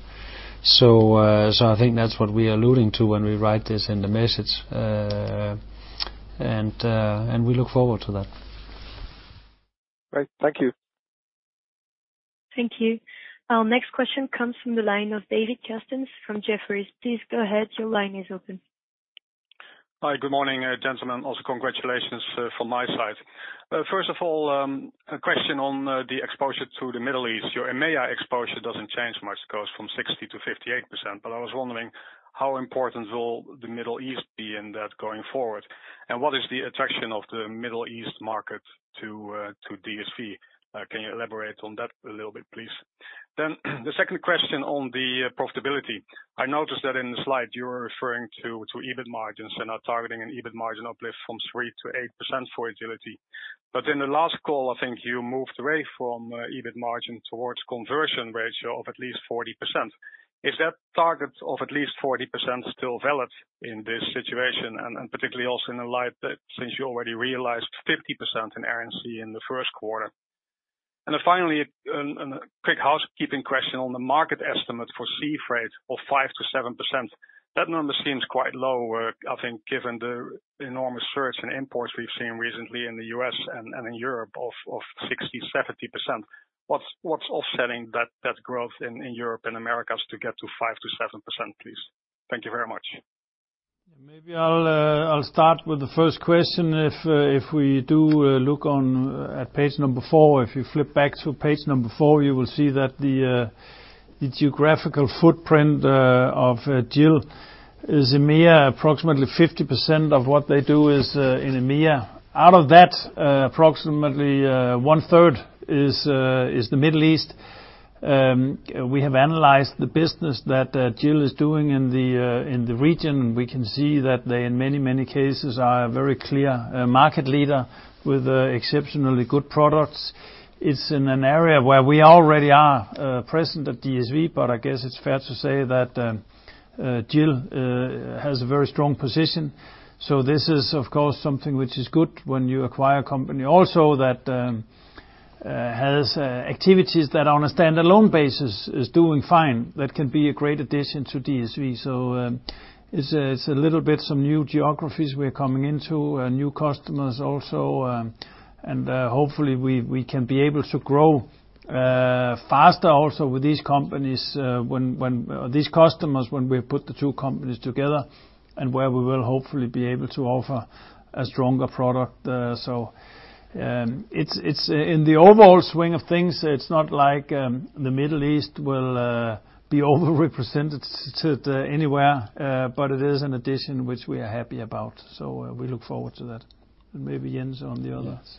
I think that's what we are alluding to when we write this in the message. We look forward to that. Great. Thank you. Thank you. Our next question comes from the line of David Kerstens from Jefferies. Please go ahead. Your line is open. Hi, good morning, gentlemen. Also congratulations from my side. First of all, a question on the exposure to the Middle East. Your EMEA exposure doesn't change much. It goes from 60% to 58%. I was wondering how important will the Middle East be in that going forward, and what is the attraction of the Middle East market to DSV? Can you elaborate on that a little bit, please? The second question on the profitability. I noticed that in the slide you're referring to EBIT margins and are targeting an EBIT margin uplift from 3% to 8% for Agility. In the last call, I think you moved away from EBIT margin towards conversion ratio of at least 40%. Is that target of at least 40% still valid in this situation and particularly also in light that since you already realized 50% in Air & Sea in the first quarter? Finally, a quick housekeeping question on the market estimate for sea freight of 5%-7%. That number seems quite low, I think, given the enormous surge in imports we've seen recently in the U.S. and in Europe of 60%-70%. What's offsetting that growth in Europe and Americas to get to 5%-7%, please? Thank you very much. Maybe I'll start with the first question. If we do look at page number four, if you flip back to page number four, you will see that the geographical footprint of GIL is EMEA. Approximately 50% of what they do is in EMEA. Out of that, approximately 1/3 is the Middle East. We have analyzed the business that GIL is doing in the region. We can see that they, in many, many cases, are a very clear market leader with exceptionally good products. It's in an area where we already are present at DSV, but I guess it's fair to say that GIL has a very strong position. This is, of course, something which is good when you acquire a company also that has activities that on a standalone basis is doing fine. That can be a great addition to DSV. It's a little bit some new geographies we're coming into, new customers also. Hopefully, we can be able to grow faster also with these customers when we put the two companies together and where we will hopefully be able to offer a stronger product. In the overall swing of things, it's not like the Middle East will be overrepresented anywhere. It is an addition which we are happy about. We look forward to that. Maybe Jens on the others.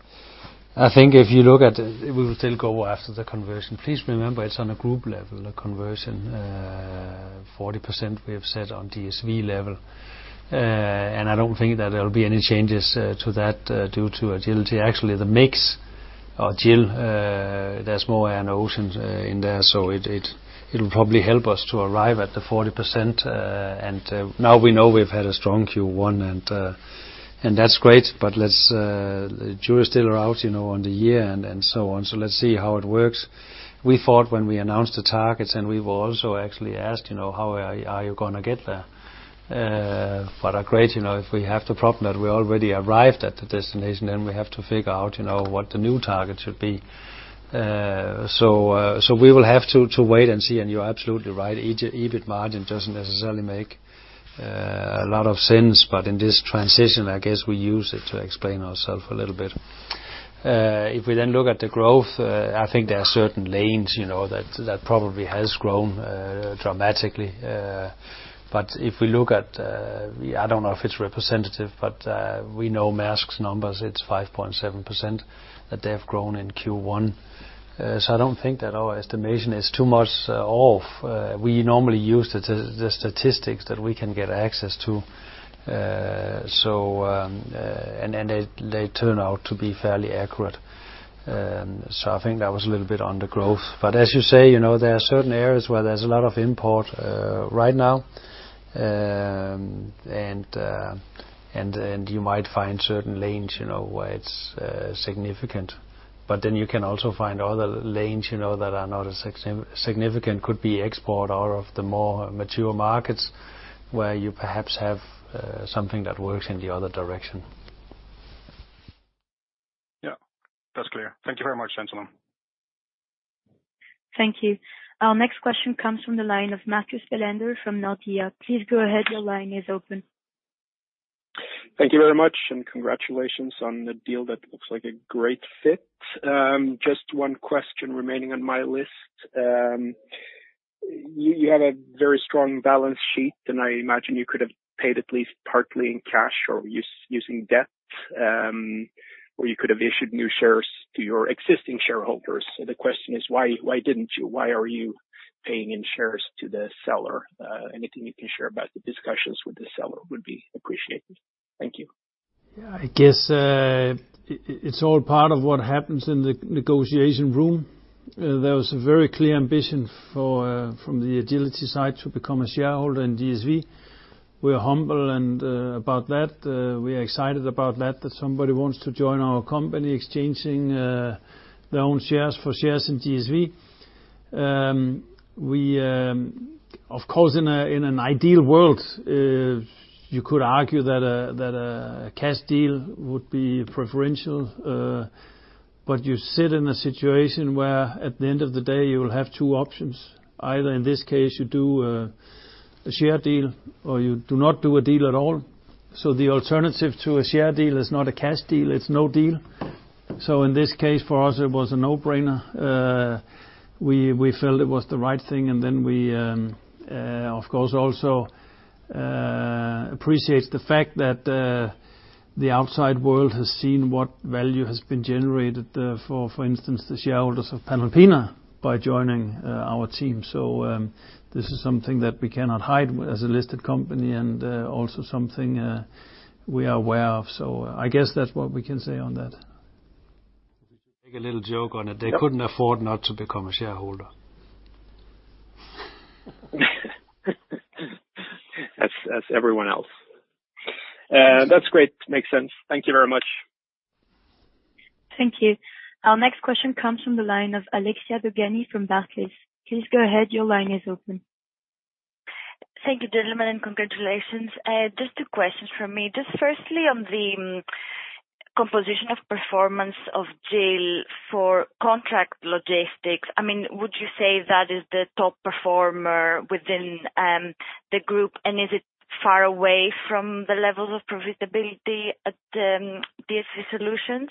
I think if you look at it, we will still go after the conversion. Please remember, it's on a group level, a conversion. 40% we have set on DSV level. I don't think that there'll be any changes to that due to Agility. Actually, the mix of GIL, there's more Air & Sea in there, so it'll probably help us to arrive at the 40%. Now we know we've had a strong Q1, and that's great, but the jurors still are out on the year and so on. Let's see how it works. We thought when we announced the targets, and we were also actually asked, "How are you going to get there?" Great, if we have the problem that we already arrived at the destination, then we have to figure out what the new target should be. We will have to wait and see, and you're absolutely right. EBIT margin doesn't necessarily make a lot of sense. In this transition, I guess we use it to explain ourself a little bit. If we then look at the growth, I think there are certain lanes that probably has grown dramatically. If we look at, I don't know if it's representative, but we know Maersk's numbers, it's 5.7% that they have grown in Q1. I don't think that our estimation is too much off. We normally use the statistics that we can get access to. They turn out to be fairly accurate. I think that was a little bit on the growth. As you say, there are certain areas where there's a lot of import right now. You might find certain lanes where it's significant, but then you can also find other lanes that are not as significant, could be export out of the more mature markets where you perhaps have something that works in the other direction. Yeah, that's clear. Thank you very much, gentlemen. Thank you. Our next question comes from the line of Marcus Bellander from Nordea. Please go ahead. Your line is open. Thank you very much. Congratulations on the deal. That looks like a great fit. Just one question remaining on my list. You had a very strong balance sheet, and I imagine you could have paid at least partly in cash or using debt, or you could have issued new shares to your existing shareholders. The question is, why didn't you? Why are you paying in shares to the seller? Anything you can share about the discussions with the seller would be appreciated. Thank you. Yeah, I guess it's all part of what happens in the negotiation room. There was a very clear ambition from the Agility side to become a shareholder in DSV. We're humble about that. We're excited about that somebody wants to join our company, exchanging their own shares for shares in DSV. Of course, in an ideal world, you could argue that a cash deal would be preferential. You sit in a situation where, at the end of the day, you will have two options. Either, in this case, you do a share deal, or you do not do a deal at all. The alternative to a share deal is not a cash deal, it's no deal. In this case, for us, it was a no-brainer. We felt it was the right thing, and then we, of course, also appreciate the fact that the outside world has seen what value has been generated for instance, the shareholders of Panalpina by joining our team. This is something that we cannot hide as a listed company and also something we are aware of. I guess that's what we can say on that. Make a little joke on it. Yep. They couldn't afford not to become a shareholder. As everyone else. That's great. Makes sense. Thank you very much. Thank you. Our next question comes from the line of Alexia Dogani from Barclays. Please go ahead. Thank you, gentlemen, and congratulations. Just two questions from me. Just firstly, on the composition of performance of GIL for Contract Logistics, would you say that is the top performer within the group? Is it far away from the levels of profitability at DSV Solutions?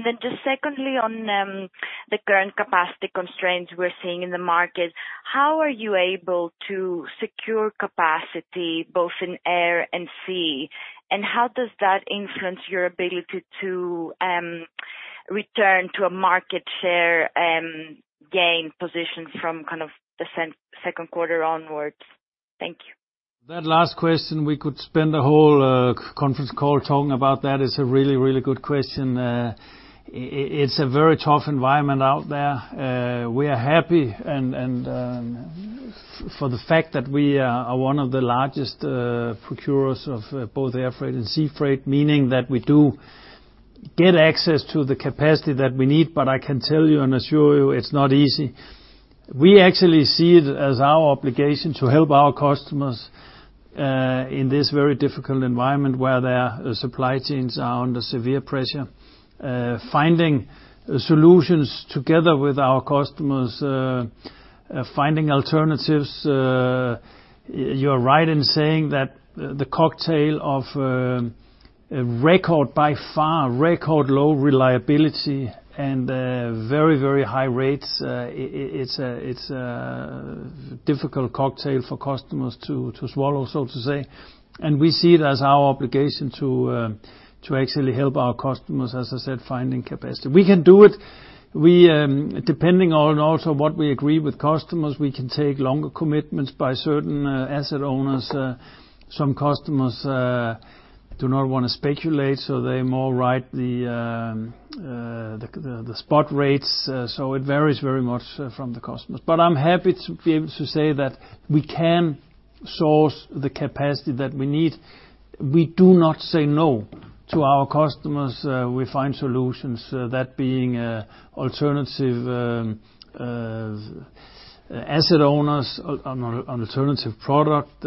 Then just secondly, on the current capacity constraints we're seeing in the market, how are you able to secure capacity both in Air & Sea? How does that influence your ability to return to a market share gain position from the second quarter onwards? Thank you. That last question, we could spend a whole conference call talking about that. It's a really, really good question. It's a very tough environment out there. We are happy for the fact that we are one of the largest procurers of both air freight and sea freight, meaning that we do get access to the capacity that we need. I can tell you and assure you it's not easy. We actually see it as our obligation to help our customers in this very difficult environment where their supply chains are under severe pressure, finding solutions together with our customers, finding alternatives. You're right in saying that the cocktail of record, by far, record low reliability and very, very high rates, it's a difficult cocktail for customers to swallow, so to say. We see it as our obligation to actually help our customers, as I said, finding capacity. We can do it. Depending on also what we agree with customers, we can take longer commitments by certain asset owners. Some customers do not want to speculate, so they more ride the spot rates. It varies very much from the customers. I'm happy to be able to say that we can source the capacity that we need. We do not say no to our customers. We find solutions, that being alternative asset owners on alternative product.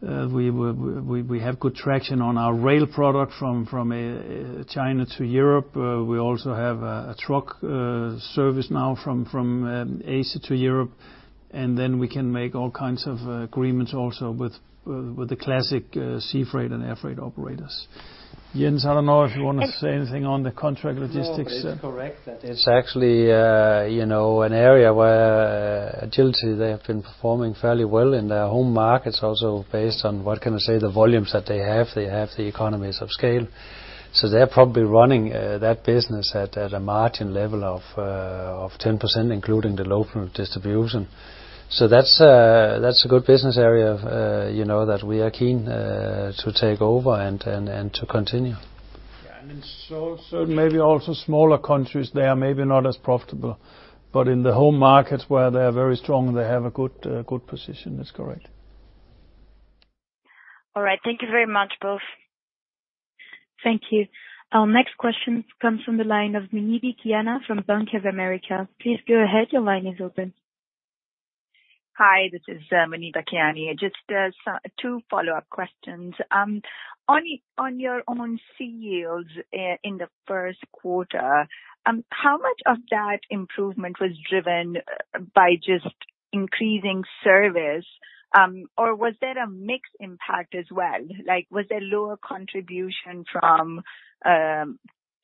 We have good traction on our rail product from China to Europe. We also have a truck service now from Asia to Europe. We can make all kinds of agreements also with the classic sea freight and air freight operators. Jens, I don't know if you want to say anything on the Contract Logistics. It's correct that it's actually an area where Agility, they have been performing fairly well in their home markets. Also based on, what can I say, the volumes that they have, they have the economies of scale. They're probably running that business at a margin level of 10%, including the local distribution. That's a good business area that we are keen to take over and to continue. Yeah. In certain, maybe also smaller countries, they are maybe not as profitable. In the home markets where they are very strong, they have a good position. That's correct. All right. Thank you very much, both. Thank you. Our next question comes from the line of Muneeba Kayani from Bank of America. Please go ahead. Your line is open. Hi, this is Muneeba Kayani. Just two follow-up questions. On your own Sea yields in the first quarter, how much of that improvement was driven by just increasing service, or was there a mixed impact as well? Was there lower contribution from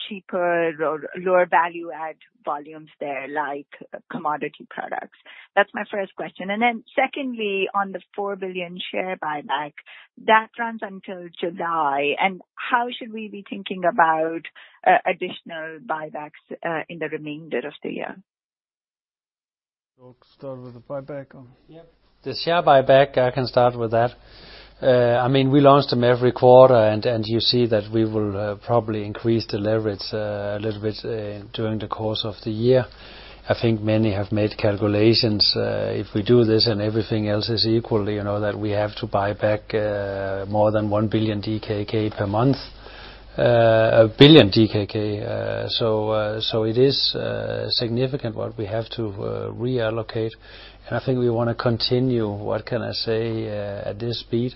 cheaper or lower value-add volumes there, like commodity products? That's my first question. Secondly, on the 4 billion share buyback, that runs until July, how should we be thinking about additional buybacks in the remainder of the year? We'll start with the buyback. Yep. The share buyback, I can start with that. We launch them every quarter, and you see that we will probably increase the leverage a little bit during the course of the year. I think many have made calculations. If we do this and everything else is equal, you know that we have to buy back more than 1 billion DKK per month. 1 billion DKK. It is significant what we have to reallocate, and I think we want to continue, what can I say, at this speed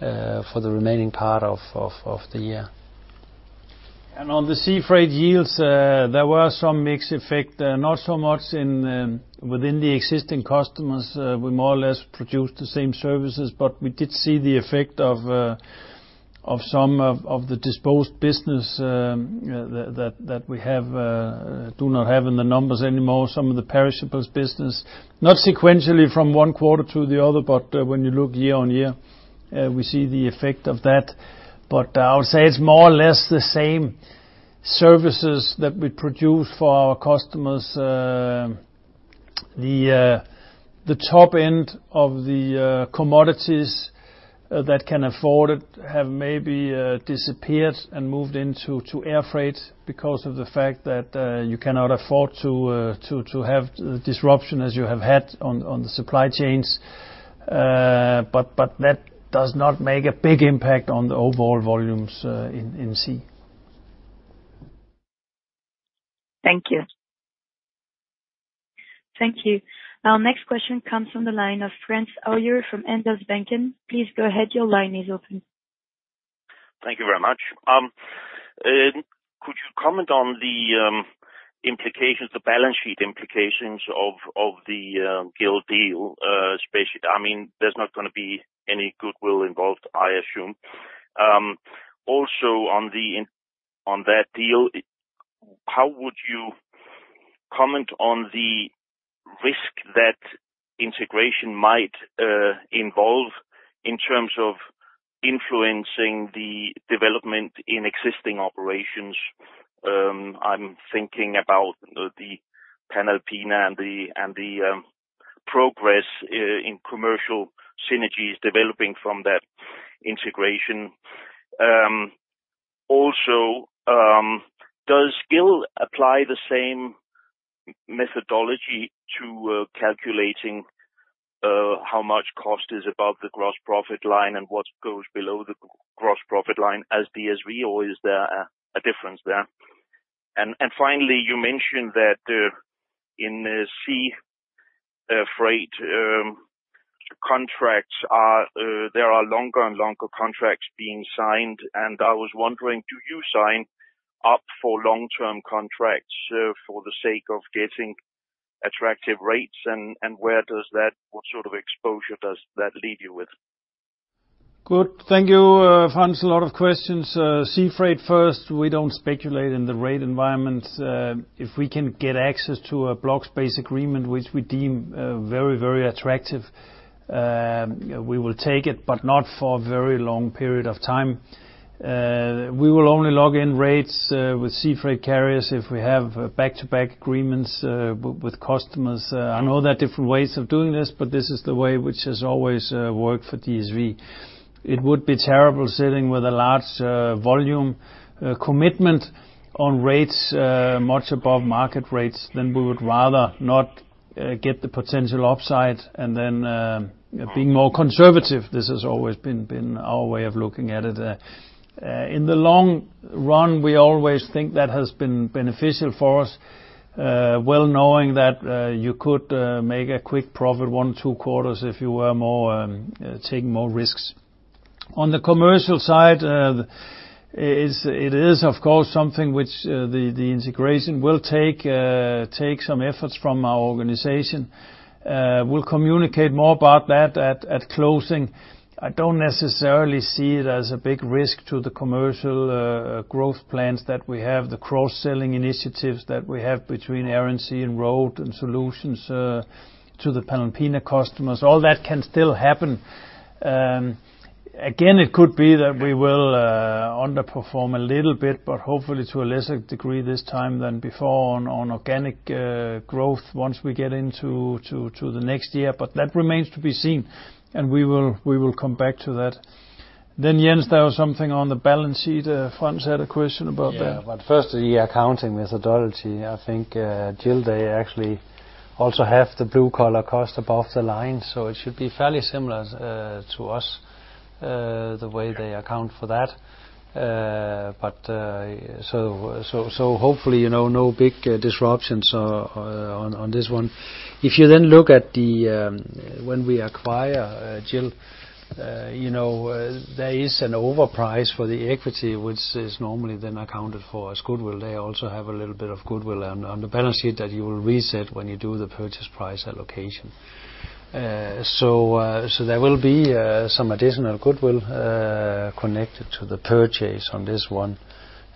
for the remaining part of the year. On the sea freight yields, there were some mixed effect. Not so much within the existing customers. We more or less produced the same services. We did see the effect of some of the disposed business that we do not have in the numbers anymore, some of the perishables business. Not sequentially from one quarter to the other, but when you look year-on-year, we see the effect of that. I would say it's more or less the same services that we produce for our customers. The top end of the commodities that can afford it have maybe disappeared and moved into air freight because of the fact that you cannot afford to have disruption as you have had on the supply chains. That does not make a big impact on the overall volumes in sea. Thank you. Thank you. Our next question comes from the line of Frans Hoyer from Handelsbanken. Please go ahead. Your line is open. Thank you very much. Could you comment on the balance sheet implications of the GIL deal, especially, there's not going to be any goodwill involved, I assume. On that deal, how would you comment on the risk that integration might involve in terms of influencing the development in existing operations? I'm thinking about the Panalpina and the progress in commercial synergies developing from that integration. Does GIL apply the same methodology to calculating how much cost is above the gross profit line and what goes below the gross profit line as DSV, or is there a difference there? Finally, you mentioned that in sea freight contracts, there are longer and longer contracts being signed, and I was wondering, do you sign up for long-term contracts for the sake of getting attractive rates, and what sort of exposure does that leave you with? Good. Thank you, Frans. Sea freight first. We don't speculate in the rate environment. If we can get access to a blocks-based agreement, which we deem very attractive, we will take it, but not for a very long period of time. We will only log in rates with sea freight carriers if we have back-to-back agreements with customers. I know there are different ways of doing this, but this is the way which has always worked for DSV. It would be terrible sitting with a large volume commitment on rates much above market rates. We would rather not get the potential upside and then being more conservative. This has always been our way of looking at it. In the long run, we always think that has been beneficial for us, well knowing that you could make a quick profit, one, two quarters, if you were taking more risks. On the commercial side, it is, of course, something which the integration will take some efforts from our organization. We'll communicate more about that at closing. I don't necessarily see it as a big risk to the commercial growth plans that we have, the cross-selling initiatives that we have between Air & Sea and Road and Solutions to the Panalpina customers. All that can still happen. Again, it could be that we will underperform a little bit, but hopefully to a lesser degree this time than before on organic growth once we get into the next year. That remains to be seen, and we will come back to that. Jens, there was something on the balance sheet. Frans had a question about that. Yeah. First, the accounting methodology. I think GIL, they actually also have the blue-collar cost above the line. It should be fairly similar to us. The way they account for that. Hopefully, no big disruptions on this one. If you then look at when we acquire GIL, there is an overprice for the equity, which is normally then accounted for as goodwill. They also have a little bit of goodwill on the balance sheet that you will reset when you do the purchase price allocation. There will be some additional goodwill connected to the purchase on this one.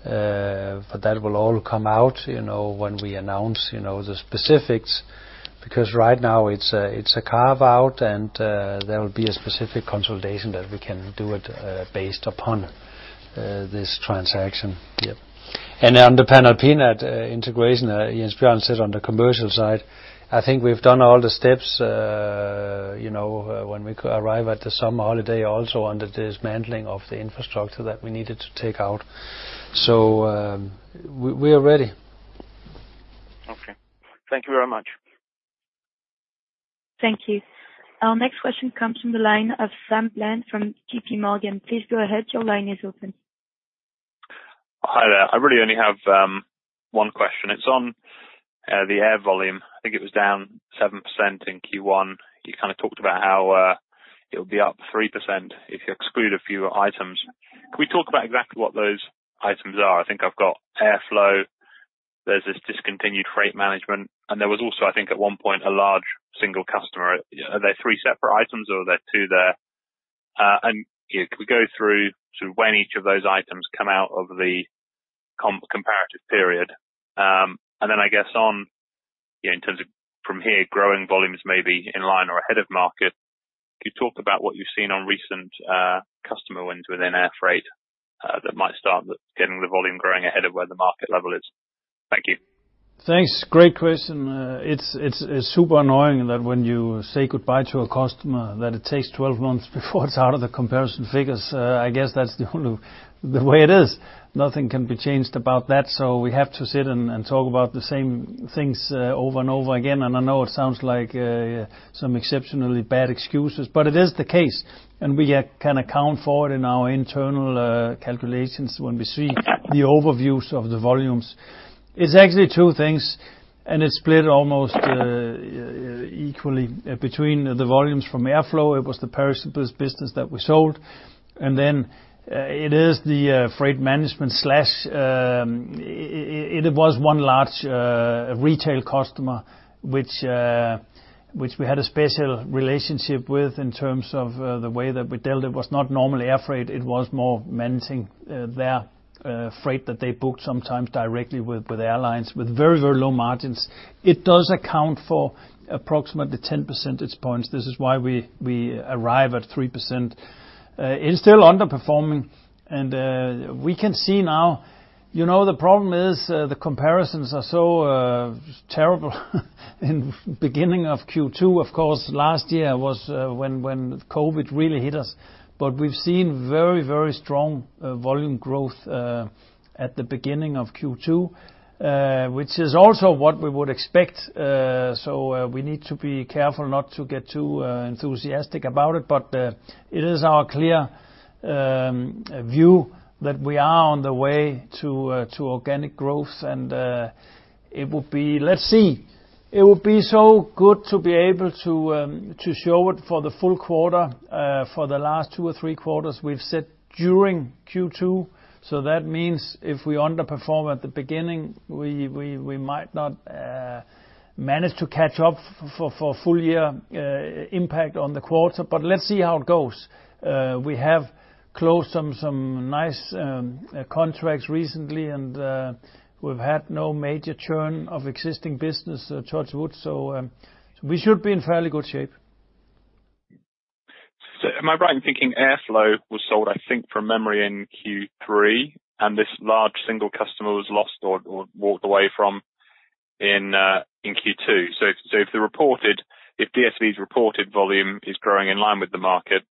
That will all come out when we announce the specifics, because right now it's a carve-out and there will be a specific consolidation that we can do it based upon this transaction. Yep. On the Panalpina integration, Jens Bjørn said on the commercial side, I think we've done all the steps when we arrive at the summer holiday, also on the dismantling of the infrastructure that we needed to take out. We are ready. Okay. Thank you very much. Thank you. Our next question comes from the line of Sam Bland from JPMorgan. Please go ahead. Your line is open. Hi there. I really only have one question. It's on the air volume. I think it was down 7% in Q1. You kind of talked about how it'll be up 3% if you exclude a few items. Can we talk about exactly what those items are? I think I've got Airflo, there's this discontinued freight management, and there was also, I think, at one point, a large single customer. Are there three separate items or are there two there? Can we go through to when each of those items come out of the comparative period? Then I guess on, in terms of from here, growing volumes maybe in line or ahead of market. Can you talk about what you've seen on recent customer wins within Air freight that might start getting the volume growing ahead of where the market level is? Thank you. Thanks. Great question. It is super annoying that when you say goodbye to a customer, that it takes 12 months before it is out of the comparison figures. I guess that is the only way it is. Nothing can be changed about that. We have to sit and talk about the same things over and over again. I know it sounds like some exceptionally bad excuses, but it is the case, and we can account for it in our internal calculations when we see the overviews of the volumes. It is actually two things, and it is split almost equally between the volumes from Airflo. It was the perishables business that we sold. Then it is the freight management slash It was one large retail customer, which we had a special relationship with in terms of the way that we dealt. It was not normally air freight, it was more managing their freight that they booked sometimes directly with airlines with very low margins. It does account for approximately 10 percentage points. This is why we arrive at 3%. It's still underperforming. We can see now, the problem is, the comparisons are so terrible in the beginning of Q2. Of course, last year was when COVID really hit us. We've seen very strong volume growth at the beginning of Q2, which is also what we would expect. We need to be careful not to get too enthusiastic about it. It is our clear view that we are on the way to organic growth, and it would be, let's see. It would be so good to be able to show it for the full quarter. For the last two or three quarters, we've said during Q2, so that means if we underperform at the beginning, we might not manage to catch up for full year impact on the quarter. Let's see how it goes. We have closed some nice contracts recently, and we've had no major churn of existing business, touch wood, so we should be in fairly good shape. Am I right in thinking Airflo was sold, I think from memory, in Q3, and this large single customer was lost or walked away from in Q2. If DSV's reported volume is growing in line with the market,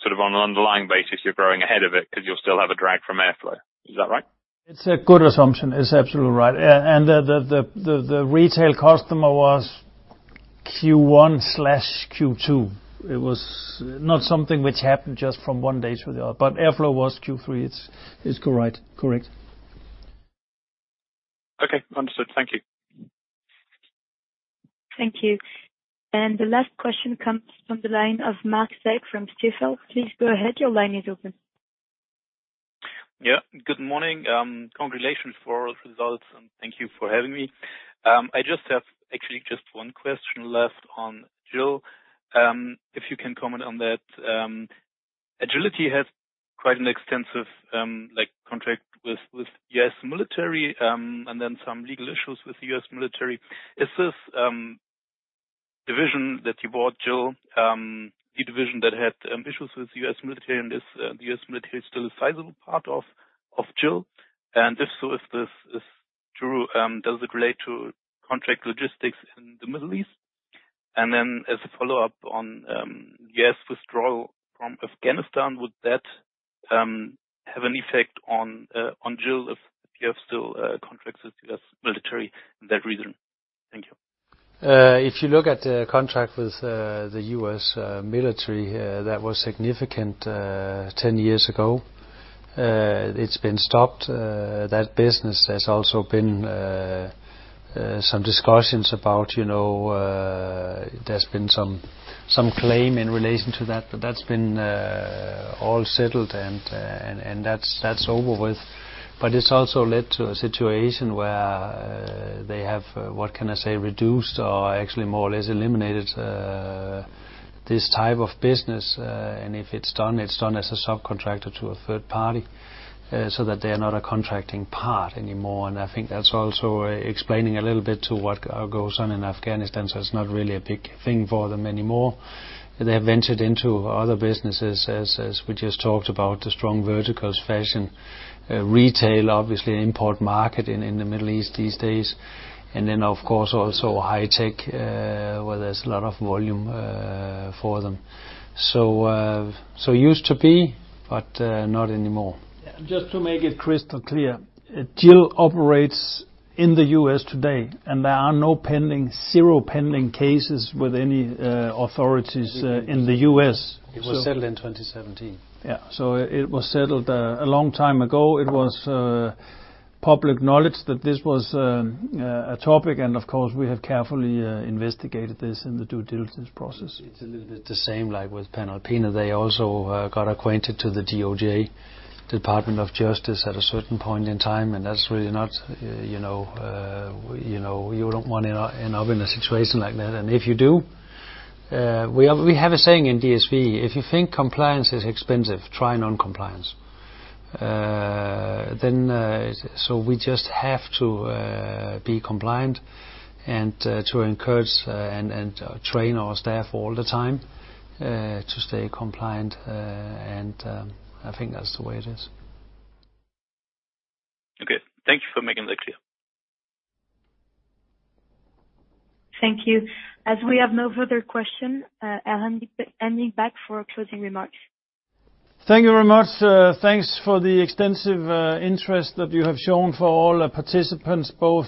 sort of on an underlying basis, you're growing ahead of it because you'll still have a drag from Airflo. Is that right? It's a good assumption. It's absolutely right. The retail customer was Q1 slash Q2. It was not something which happened just from one day to the other. Airflo was Q3. It's correct. Okay. Understood. Thank you. Thank you. The last question comes from the line of Mark [Stoke] from Stifel. Please go ahead. Your line is open. Yeah. Good morning. Congratulations for those results and thank you for having me. I just have actually just one question left on Agility. If you can comment on that. Agility has quite an extensive contract with U.S. military, then some legal issues with the U.S. military. Is this division that you bought, Agility, the division that had issues with U.S. military, and is the U.S. military still a sizable part of Agility? If so, if this is true, does it relate to contract logistics in the Middle East? Then as a follow-up on U.S. withdrawal from Afghanistan, would that have an effect on GIL if you have still contracts with U.S. military in that region? Thank you. If you look at the contract with the U.S. military that was significant 10 years ago, it's been stopped. That business, there's also been some discussions about, there's been some claim in relation to that, but that's been all settled and that's over with. It's also led to a situation where they have, what can I say, reduced or actually more or less eliminated this type of business. If it's done, it's done as a subcontractor to a third party, so that they are not a contracting part anymore. I think that's also explaining a little bit to what goes on in Afghanistan. It's not really a big thing for them anymore. They have ventured into other businesses, as we just talked about, the strong verticals, fashion, retail, obviously import market in the Middle East these days. Of course, also high tech, where there's a lot of volume for them. Used to be, but not anymore. Just to make it crystal clear, GIL operates in the U.S. today, and there are no pending, zero pending cases with any authorities in the U.S. It was settled in 2017. Yeah. It was settled a long time ago. It was public knowledge that this was a topic, and of course, we have carefully investigated this in the due diligence process. It's a little bit the same like with Panalpina. They also got acquainted to the DOJ, Department of Justice, at a certain point in time. You don't want to end up in a situation like that. If you do, we have a saying in DSV, if you think compliance is expensive, try non-compliance. We just have to be compliant and to encourage and train our staff all the time to stay compliant. I think that's the way it is. Okay. Thank you for making that clear. Thank you. As we have no further question, I hand it back for closing remarks. Thank you very much. Thanks for the extensive interest that you have shown for all participants, both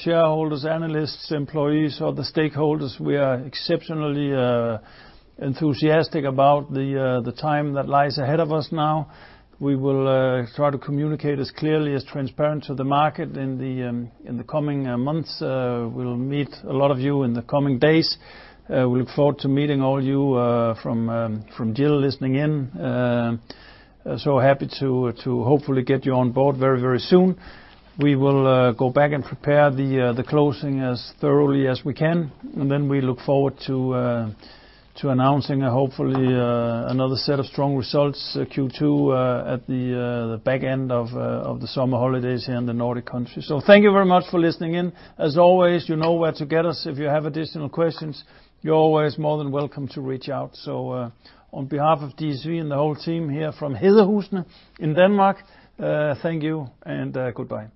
shareholders, analysts, employees, or the stakeholders. We are exceptionally enthusiastic about the time that lies ahead of us now. We will try to communicate as clearly, as transparent to the market in the coming months. We'll meet a lot of you in the coming days. We look forward to meeting all you from GIL listening in. Happy to hopefully get you on board very soon. We will go back and prepare the closing as thoroughly as we can. We look forward to announcing hopefully another set of strong results, Q2, at the back end of the summer holidays here in the Nordic country. Thank you very much for listening in. As always, you know where to get us if you have additional questions. You're always more than welcome to reach out. On behalf of DSV and the whole team here from Hedehusene in Denmark, thank you and goodbye.